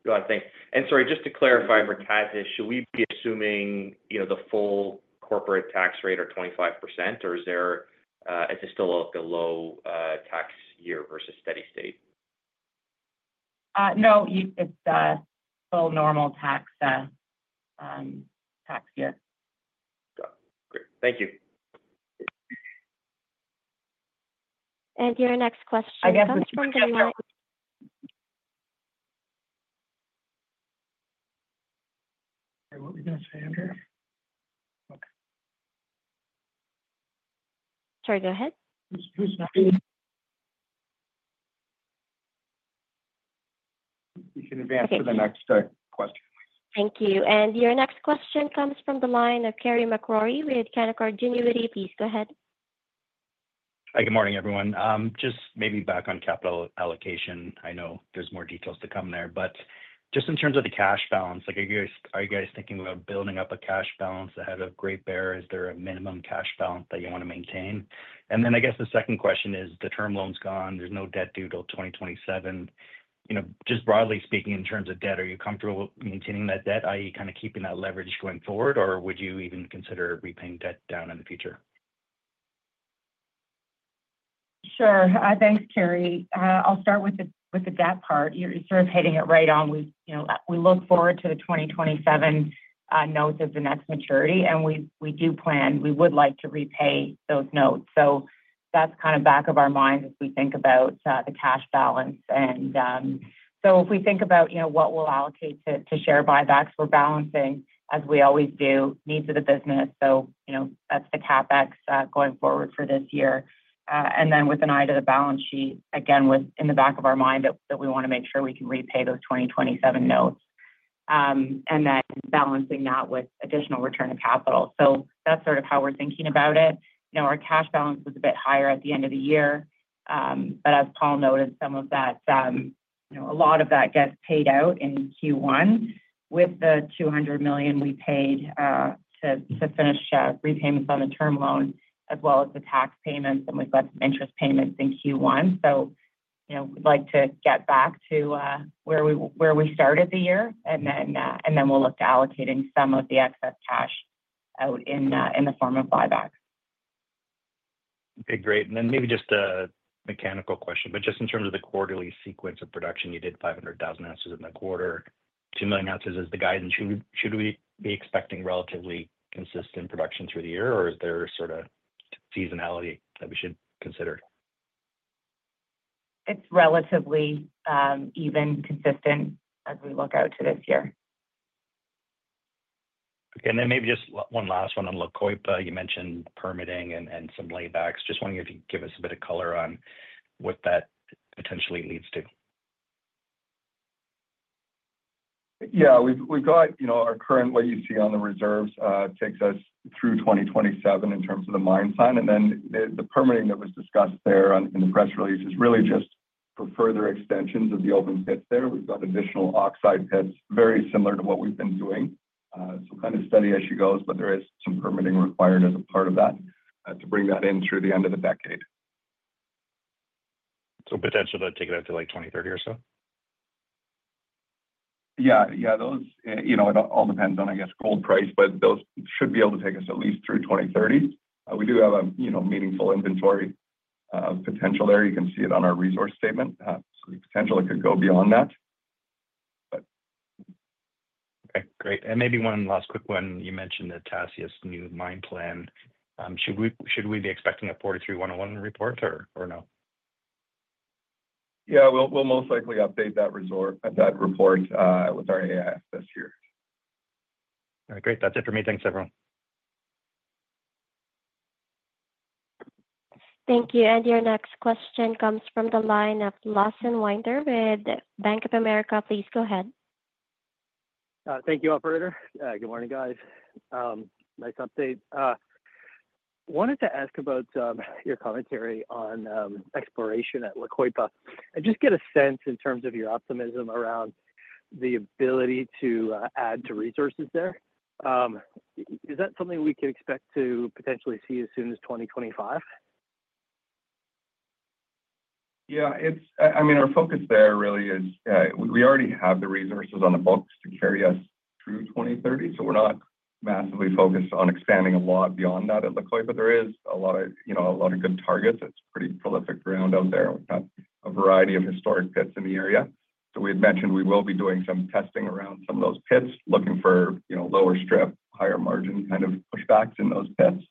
Speaker 10: Got it. Thanks. And sorry, just to clarify for Tasiast, should we be assuming the full corporate tax rate or 25%, or is it still a low tax year versus steady state?
Speaker 4: No, it's still normal tax year.
Speaker 10: Got it. Great. Thank you.
Speaker 1: Your next question comes from the line.
Speaker 3: What were you going to say, Andrea?
Speaker 1: Sorry, go ahead.
Speaker 3: You can advance to the next question, please.
Speaker 1: Thank you. Your next question comes from the line of Carey MacRury with Canaccord Genuity. Please go ahead.
Speaker 11: Hi, good morning, everyone. Just maybe back on capital allocation. I know there's more details to come there, but just in terms of the cash balance, are you guys thinking about building up a cash balance ahead of Great Bear? Is there a minimum cash balance that you want to maintain? And then I guess the second question is the term loan's gone. There's no debt due till 2027. Just broadly speaking, in terms of debt, are you comfortable maintaining that debt, i.e., kind of keeping that leverage going forward, or would you even consider repaying debt down in the future?
Speaker 4: Sure. Thanks, Carey. I'll start with the debt part. You're sort of hitting it right on. We look forward to the 2027 notes as the next maturity, and we do plan. We would like to repay those notes. So that's kind of back of our minds as we think about the cash balance. And so if we think about what we'll allocate to share buybacks, we're balancing, as we always do, needs of the business. So that's the CapEx going forward for this year. And then with an eye to the balance sheet, again, in the back of our mind that we want to make sure we can repay those 2027 notes and then balancing that with additional return of capital. So that's sort of how we're thinking about it. Our cash balance was a bit higher at the end of the year, but as Paul noted, some of that, a lot of that gets paid out in Q1 with the $200 million we paid to finish repayments on the term loan as well as the tax payments, and we've got some interest payments in Q1. We'd like to get back to where we started the year, and then we'll look to allocating some of the excess cash out in the form of buybacks.
Speaker 11: Okay. Great. And then maybe just a mechanical question, but just in terms of the quarterly sequence of production, you did 500,000 oz in the quarter, 2 million oz is the guidance. Should we be expecting relatively consistent production through the year, or is there sort of seasonality that we should consider?
Speaker 4: It's relatively even consistent as we look out to this year.
Speaker 11: Okay, and then maybe just one last one on La Coipa. You mentioned permitting and some laybacks. Just wondering if you could give us a bit of color on what that potentially leads to.
Speaker 6: Yeah. We've got our current what you see on the reserves takes us through 2027 in terms of the mine life. And then the permitting that was discussed there in the press release is really just for further extensions of the open pits there. We've got additional oxide pits, very similar to what we've been doing. So kind of steady as she goes, but there is some permitting required as a part of that to bring that in through the end of the decade.
Speaker 11: So potentially take it out to like 2030 or so?
Speaker 6: Yeah. Yeah. It all depends on, I guess, gold price, but those should be able to take us at least through 2030. We do have a meaningful inventory potential there. You can see it on our resource statement. So potentially it could go beyond that, but.
Speaker 11: Okay. Great. And maybe one last quick one. You mentioned the Tasiast new mine plan. Should we be expecting a 43-101 report or no?
Speaker 6: Yeah. We'll most likely update that report with our AISC this year.
Speaker 11: All right. Great. That's it for me. Thanks, everyone.
Speaker 1: Thank you. And your next question comes from the line of Lawson Winder with Bank of America. Please go ahead.
Speaker 12: Thank you, Operator. Good morning, guys. Nice update. Wanted to ask about your commentary on exploration at La Coipa. I just get a sense in terms of your optimism around the ability to add to resources there. Is that something we can expect to potentially see as soon as 2025?
Speaker 5: Yeah. I mean, our focus there really is we already have the resources on the books to carry us through 2030. So we're not massively focused on expanding a lot beyond that at La Coipa, but there is a lot of good targets. It's pretty prolific ground out there. We've got a variety of historic pits in the area. So we had mentioned we will be doing some testing around some of those pits, looking for lower strip, higher margin kind of pushbacks in those pits.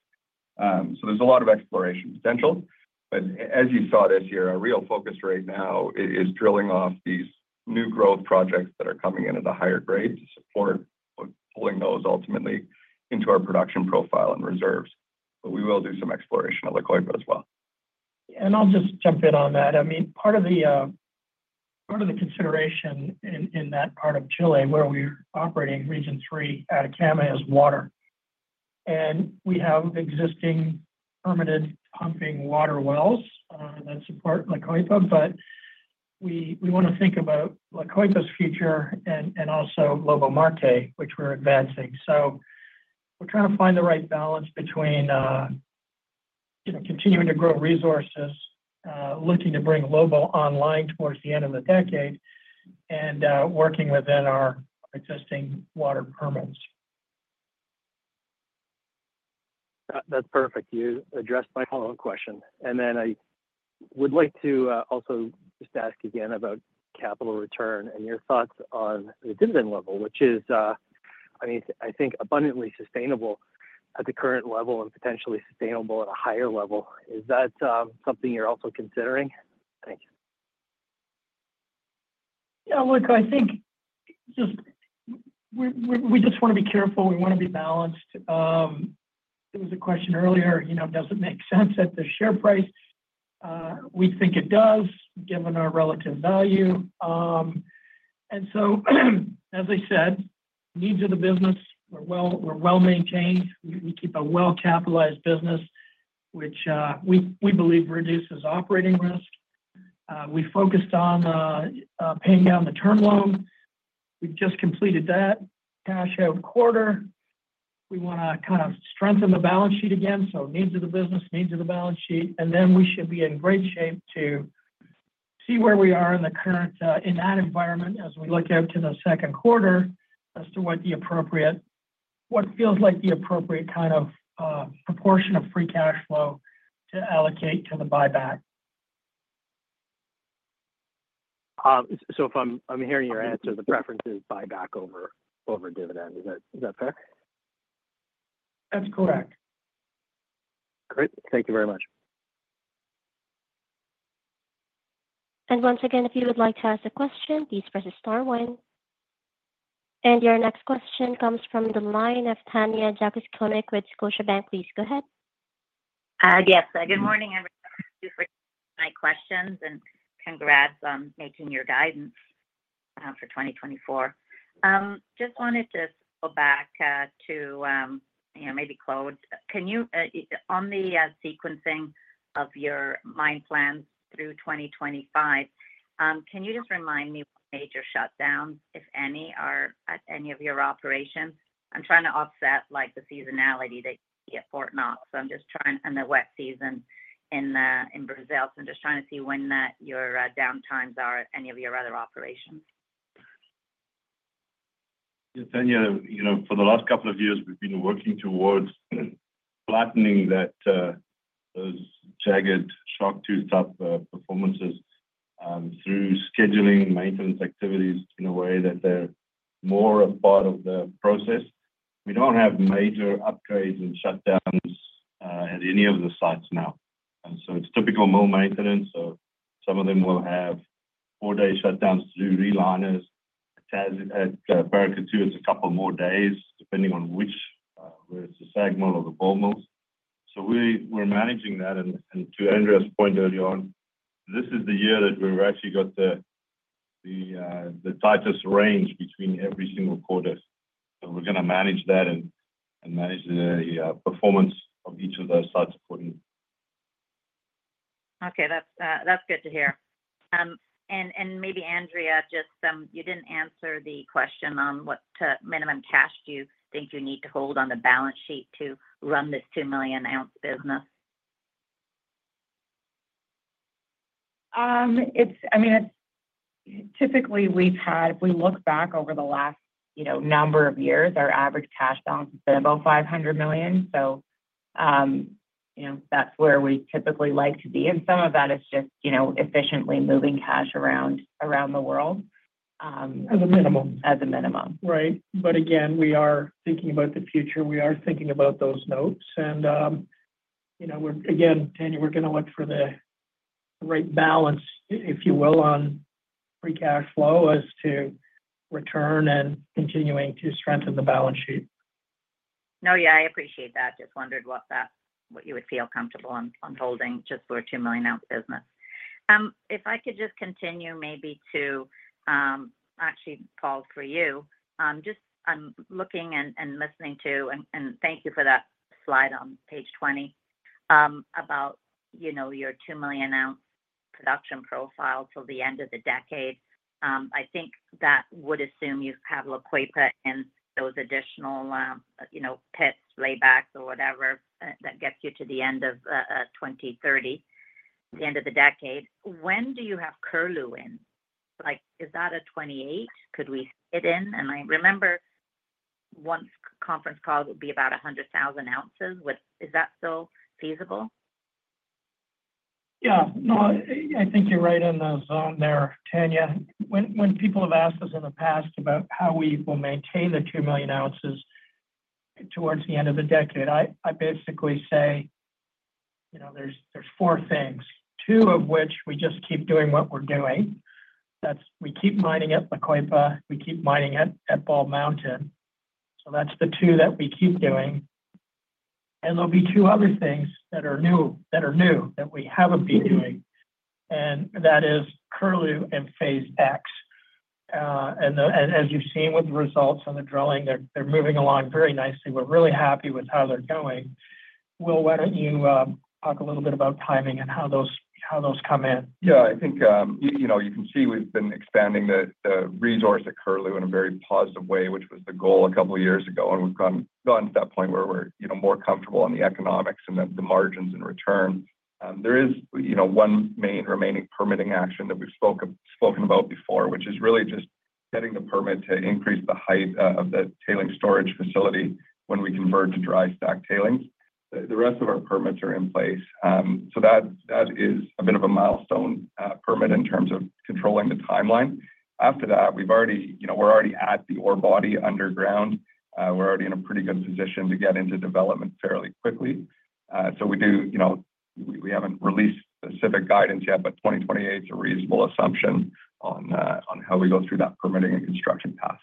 Speaker 5: So there's a lot of exploration potential. But as you saw this year, our real focus right now is drilling off these new growth projects that are coming into the higher grade to support pulling those ultimately into our production profile and reserves. But we will do some exploration at La Coipa as well.
Speaker 3: I'll just jump in on that. I mean, part of the consideration in that part of Chile where we're operating Region III Atacama is water. We have existing permitted pumping water wells that support La Coipa, but we want to think about La Coipa's future and also Lobo-Marte, which we're advancing. We're trying to find the right balance between continuing to grow resources, looking to bring Lobo-Marte online towards the end of the decade, and working within our existing water permits.
Speaker 12: That's perfect. You addressed my follow-up question. And then I would like to also just ask again about capital return and your thoughts on the dividend level, which is, I mean, I think abundantly sustainable at the current level and potentially sustainable at a higher level. Is that something you're also considering? Thanks.
Speaker 3: Yeah. Look, I think we just want to be careful. We want to be balanced. There was a question earlier. Does it make sense that the share price? We think it does, given our relative value. And so, as I said, needs of the business, we're well maintained. We keep a well-capitalized business, which we believe reduces operating risk. We focused on paying down the term loan. We've just completed that cash out quarter. We want to kind of strengthen the balance sheet again. So needs of the business, needs of the balance sheet. And then we should be in great shape to see where we are in that environment as we look out to the second quarter as to what feels like the appropriate kind of proportion of free cash flow to allocate to the buyback.
Speaker 12: So if I'm hearing your answer, the preference is buyback over dividend. Is that fair?
Speaker 3: That's correct.
Speaker 12: Great. Thank you very much.
Speaker 1: And once again, if you would like to ask a question, please press star one. And your next question comes from the line of Tanya Jakusconek with Scotiabank. Please go ahead.
Speaker 13: Yes. Good morning. I'm just with my questions and congrats on meeting your guidance for 2024. Just wanted to circle back to maybe close on the sequencing of your mine plans through 2025. Can you just remind me what major shutdowns, if any, are at any of your operations? I'm trying to offset the seasonality that you see at Fort Knox, so I'm just trying in the wet season in Brazil, so I'm just trying to see when your downtimes are at any of your other operations.
Speaker 5: Tanya, for the last couple of years, we've been working towards flattening those jagged saw-toothed-up performances through scheduling maintenance activities in a way that they're more a part of the process. We don't have major upgrades and shutdowns at any of the sites now. So it's typical mill maintenance. So some of them will have four-day shutdowns to do reliners. At Paracatu, it's a couple more days depending on which, whether it's the SAG mill or the ball mills. So we're managing that. And to Andrea's point earlier on, this is the year that we've actually got the tightest range between every single quarter. So we're going to manage that and manage the performance of each of those sites accordingly.
Speaker 13: Okay. That's good to hear. And maybe Andrea, just you didn't answer the question on what minimum cash do you think you need to hold on the balance sheet to run this 2 million oz business?
Speaker 4: I mean, typically we've had, if we look back over the last number of years, our average cash balance has been about $500 million. So that's where we typically like to be. And some of that is just efficiently moving cash around the world.
Speaker 3: As a minimum.
Speaker 4: As a minimum.
Speaker 3: Right. But again, we are thinking about the future. We are thinking about those notes. And again, Tanya, we're going to look for the right balance, if you will, on free cash flow as to return and continuing to strengthen the balance sheet.
Speaker 13: No, yeah, I appreciate that. Just wondered what you would feel comfortable on holding just for a 2 million oz business. If I could just continue maybe to actually Paul for you, just I'm looking and listening to, and thank you for that slide on page 20 about your 2 million oz production profile till the end of the decade. I think that would assume you have La Coipa and those additional pits, laybacks, or whatever that gets you to the end of 2030, the end of the decade. When do you have Curlew in? Is that a 2028? Could we fit in? And I remember one conference call would be about 100,000 oz. Is that still feasible?
Speaker 3: Yeah. No, I think you're right in the zone there, Tanya. When people have asked us in the past about how we will maintain the 2 million oz towards the end of the decade, I basically say there's four things, two of which we just keep doing what we're doing. We keep mining at La Coipa. We keep mining at Bald Mountain. So that's the two that we keep doing. And there'll be two other things that are new that we haven't been doing. And that is Curlew and Phase X. And as you've seen with the results and the drilling, they're moving along very nicely. We're really happy with how they're going. Will, why don't you talk a little bit about timing and how those come in?
Speaker 6: Yeah. I think you can see we've been expanding the resource at Curlew in a very positive way, which was the goal a couple of years ago, and we've gone to that point where we're more comfortable on the economics and the margins and return. There is one main remaining permitting action that we've spoken about before, which is really just getting the permit to increase the height of the tailings storage facility when we convert to dry stack tailings. The rest of our permits are in place, so that is a bit of a milestone permit in terms of controlling the timeline. After that, we're already at the ore body underground. We're already in a pretty good position to get into development fairly quickly, so we haven't released specific guidance yet, but 2028 is a reasonable assumption on how we go through that permitting and construction path.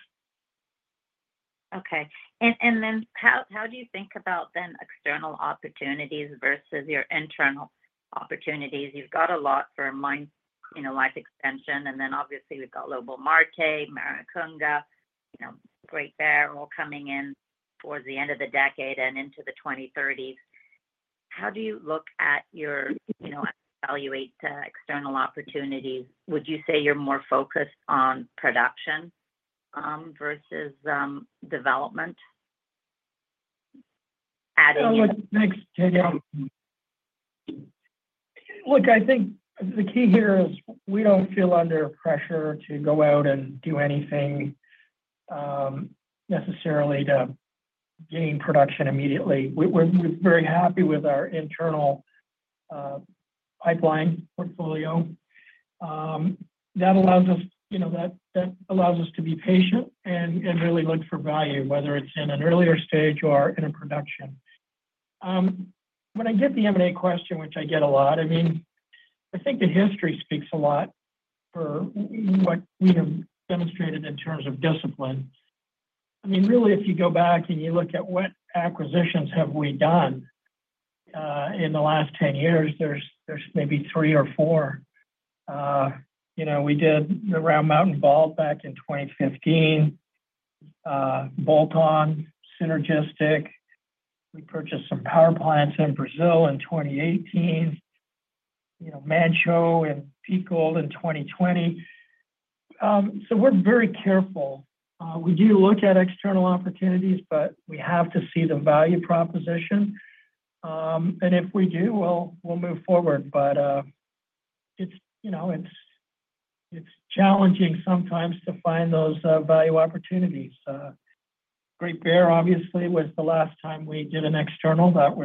Speaker 13: Okay. And then how do you think about the external opportunities versus your internal opportunities? You've got a lot for mine life extension. And then obviously we've got Lobo-Marte, Paracatu, Great Bear all coming in towards the end of the decade and into the 2030s. How do you look at or evaluate external opportunities? Would you say you're more focused on production versus development?
Speaker 3: What's next, Tanya? Look, I think the key here is we don't feel under pressure to go out and do anything necessarily to gain production immediately. We're very happy with our internal pipeline portfolio. That allows us to be patient and really look for value, whether it's in an earlier stage or in a production. When I get the M&A question, which I get a lot, I mean, I think the history speaks a lot for what we have demonstrated in terms of discipline. I mean, really, if you go back and you look at what acquisitions have we done in the last 10 years, there's maybe three or four. We did the Bald Mountain back in 2015, bolt-on synergistic. We purchased some power plants in Brazil in 2018, Manh Choh and Peak Gold in 2020. So we're very careful. We do look at external opportunities, but we have to see the value proposition. And if we do, we'll move forward. But it's challenging sometimes to find those value opportunities. Great Bear, obviously, was the last time we did an external that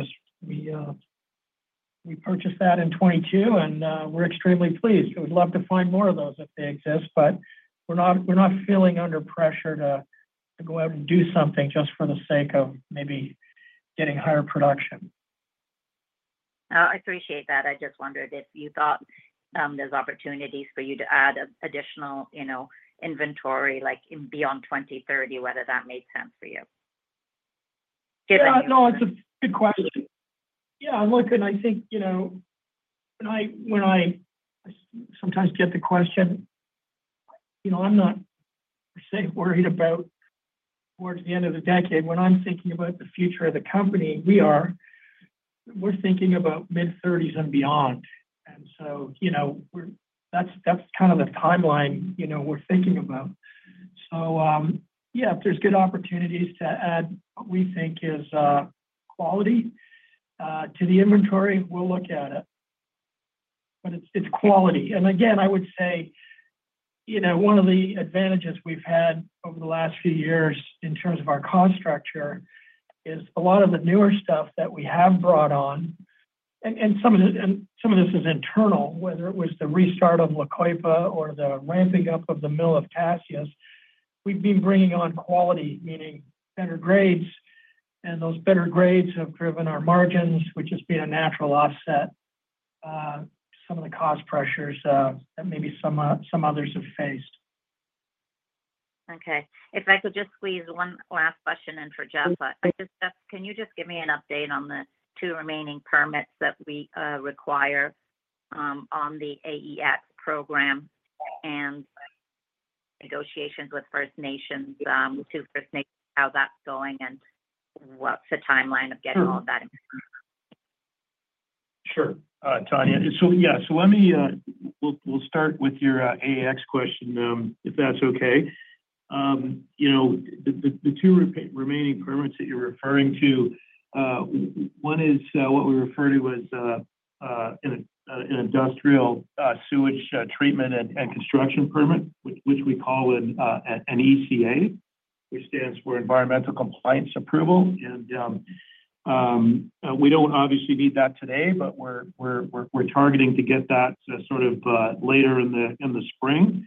Speaker 3: we purchased that in 2022. And we're extremely pleased. We'd love to find more of those if they exist, but we're not feeling under pressure to go out and do something just for the sake of maybe getting higher production.
Speaker 13: I appreciate that. I just wondered if you thought there's opportunities for you to add additional inventory beyond 2030, whether that makes sense for you? No, it's a good question. Yeah. Look, and I think when I sometimes get the question, I'm not, say, worried about towards the end of the decade. When I'm thinking about the future of the company, we're thinking about mid-30s and beyond. And so that's kind of the timeline we're thinking about. So yeah, if there's good opportunities to add what we think is quality to the inventory, we'll look at it. But it's quality. And again, I would say one of the advantages we've had over the last few years in terms of our cost structure is a lot of the newer stuff that we have brought on. And some of this is internal, whether it was the restart of La Coipa or the ramping up of the mill of Tasiast. We've been bringing on quality, meaning better grades. Those better grades have driven our margins, which has been a natural offset to some of the cost pressures that maybe some others have faced. Okay. If I could just squeeze one last question in for Geoff. Can you just give me an update on the two remaining permits that we require on the AEX program and negotiations with First Nations to First Nations, how that's going and what's the timeline of getting all of that?
Speaker 9: Sure, Tanya. So yeah, so we'll start with your AEX question, if that's okay. The two remaining permits that you're referring to, one is what we refer to as an industrial sewage treatment and construction permit, which we call an ECA, which stands for Environmental Compliance Approval. And we don't obviously need that today, but we're targeting to get that sort of later in the spring.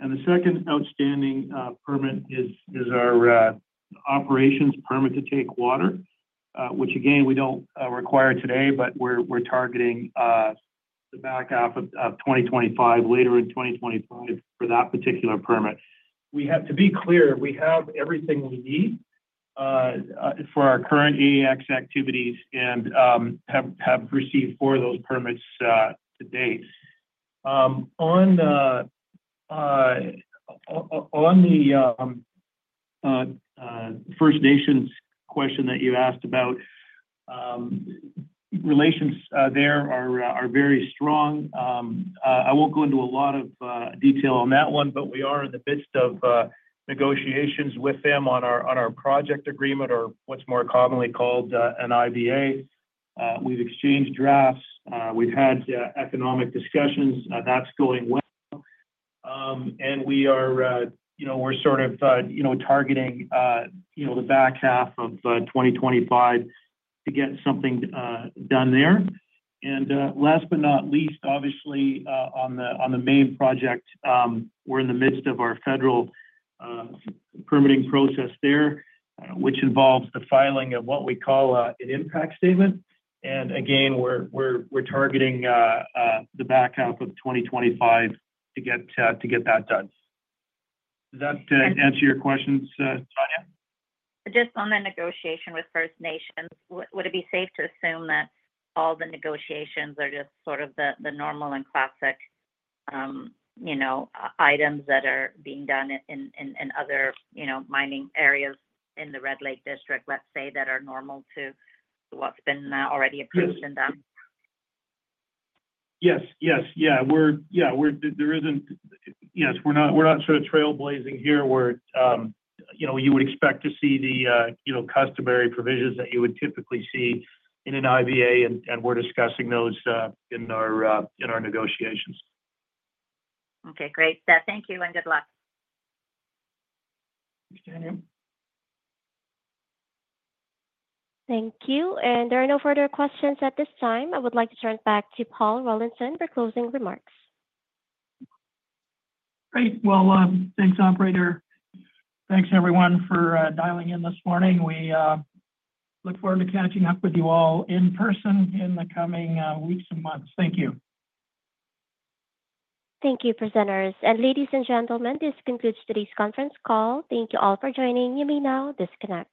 Speaker 9: And the second outstanding permit is our operations permit to take water, which again, we don't require today, but we're targeting the back half of 2025, later in 2025 for that particular permit. We have to be clear. We have everything we need for our current AEX activities and have received four of those permits to date. On the First Nations question that you asked about, relations there are very strong. I won't go into a lot of detail on that one, but we are in the midst of negotiations with them on our project agreement or what's more commonly called an IBA. We've exchanged drafts. We've had economic discussions. That's going well. And we're sort of targeting the back half of 2025 to get something done there. And last but not least, obviously, on the main project, we're in the midst of our federal permitting process there, which involves the filing of what we call an impact statement. And again, we're targeting the back half of 2025 to get that done. Does that answer your questions, Tanya?
Speaker 13: Just on the negotiation with First Nations, would it be safe to assume that all the negotiations are just sort of the normal and classic items that are being done in other mining areas in the Red Lake District, let's say, that are normal to what's been already approved and done?
Speaker 9: Yes. We're not sort of trailblazing here. You would expect to see the customary provisions that you would typically see in an IBA, and we're discussing those in our negotiations.
Speaker 13: Okay. Great. Thank you and good luck.
Speaker 3: Thank you.
Speaker 1: Thank you. And there are no further questions at this time. I would like to turn it back to Paul Rollinson for closing remarks.
Speaker 3: Great. Well, thanks, operator. Thanks, everyone, for dialing in this morning. We look forward to catching up with you all in person in the coming weeks and months. Thank you.
Speaker 1: Thank you, presenters. Ladies and gentlemen, this concludes today's conference call. Thank you all for joining. You may now disconnect.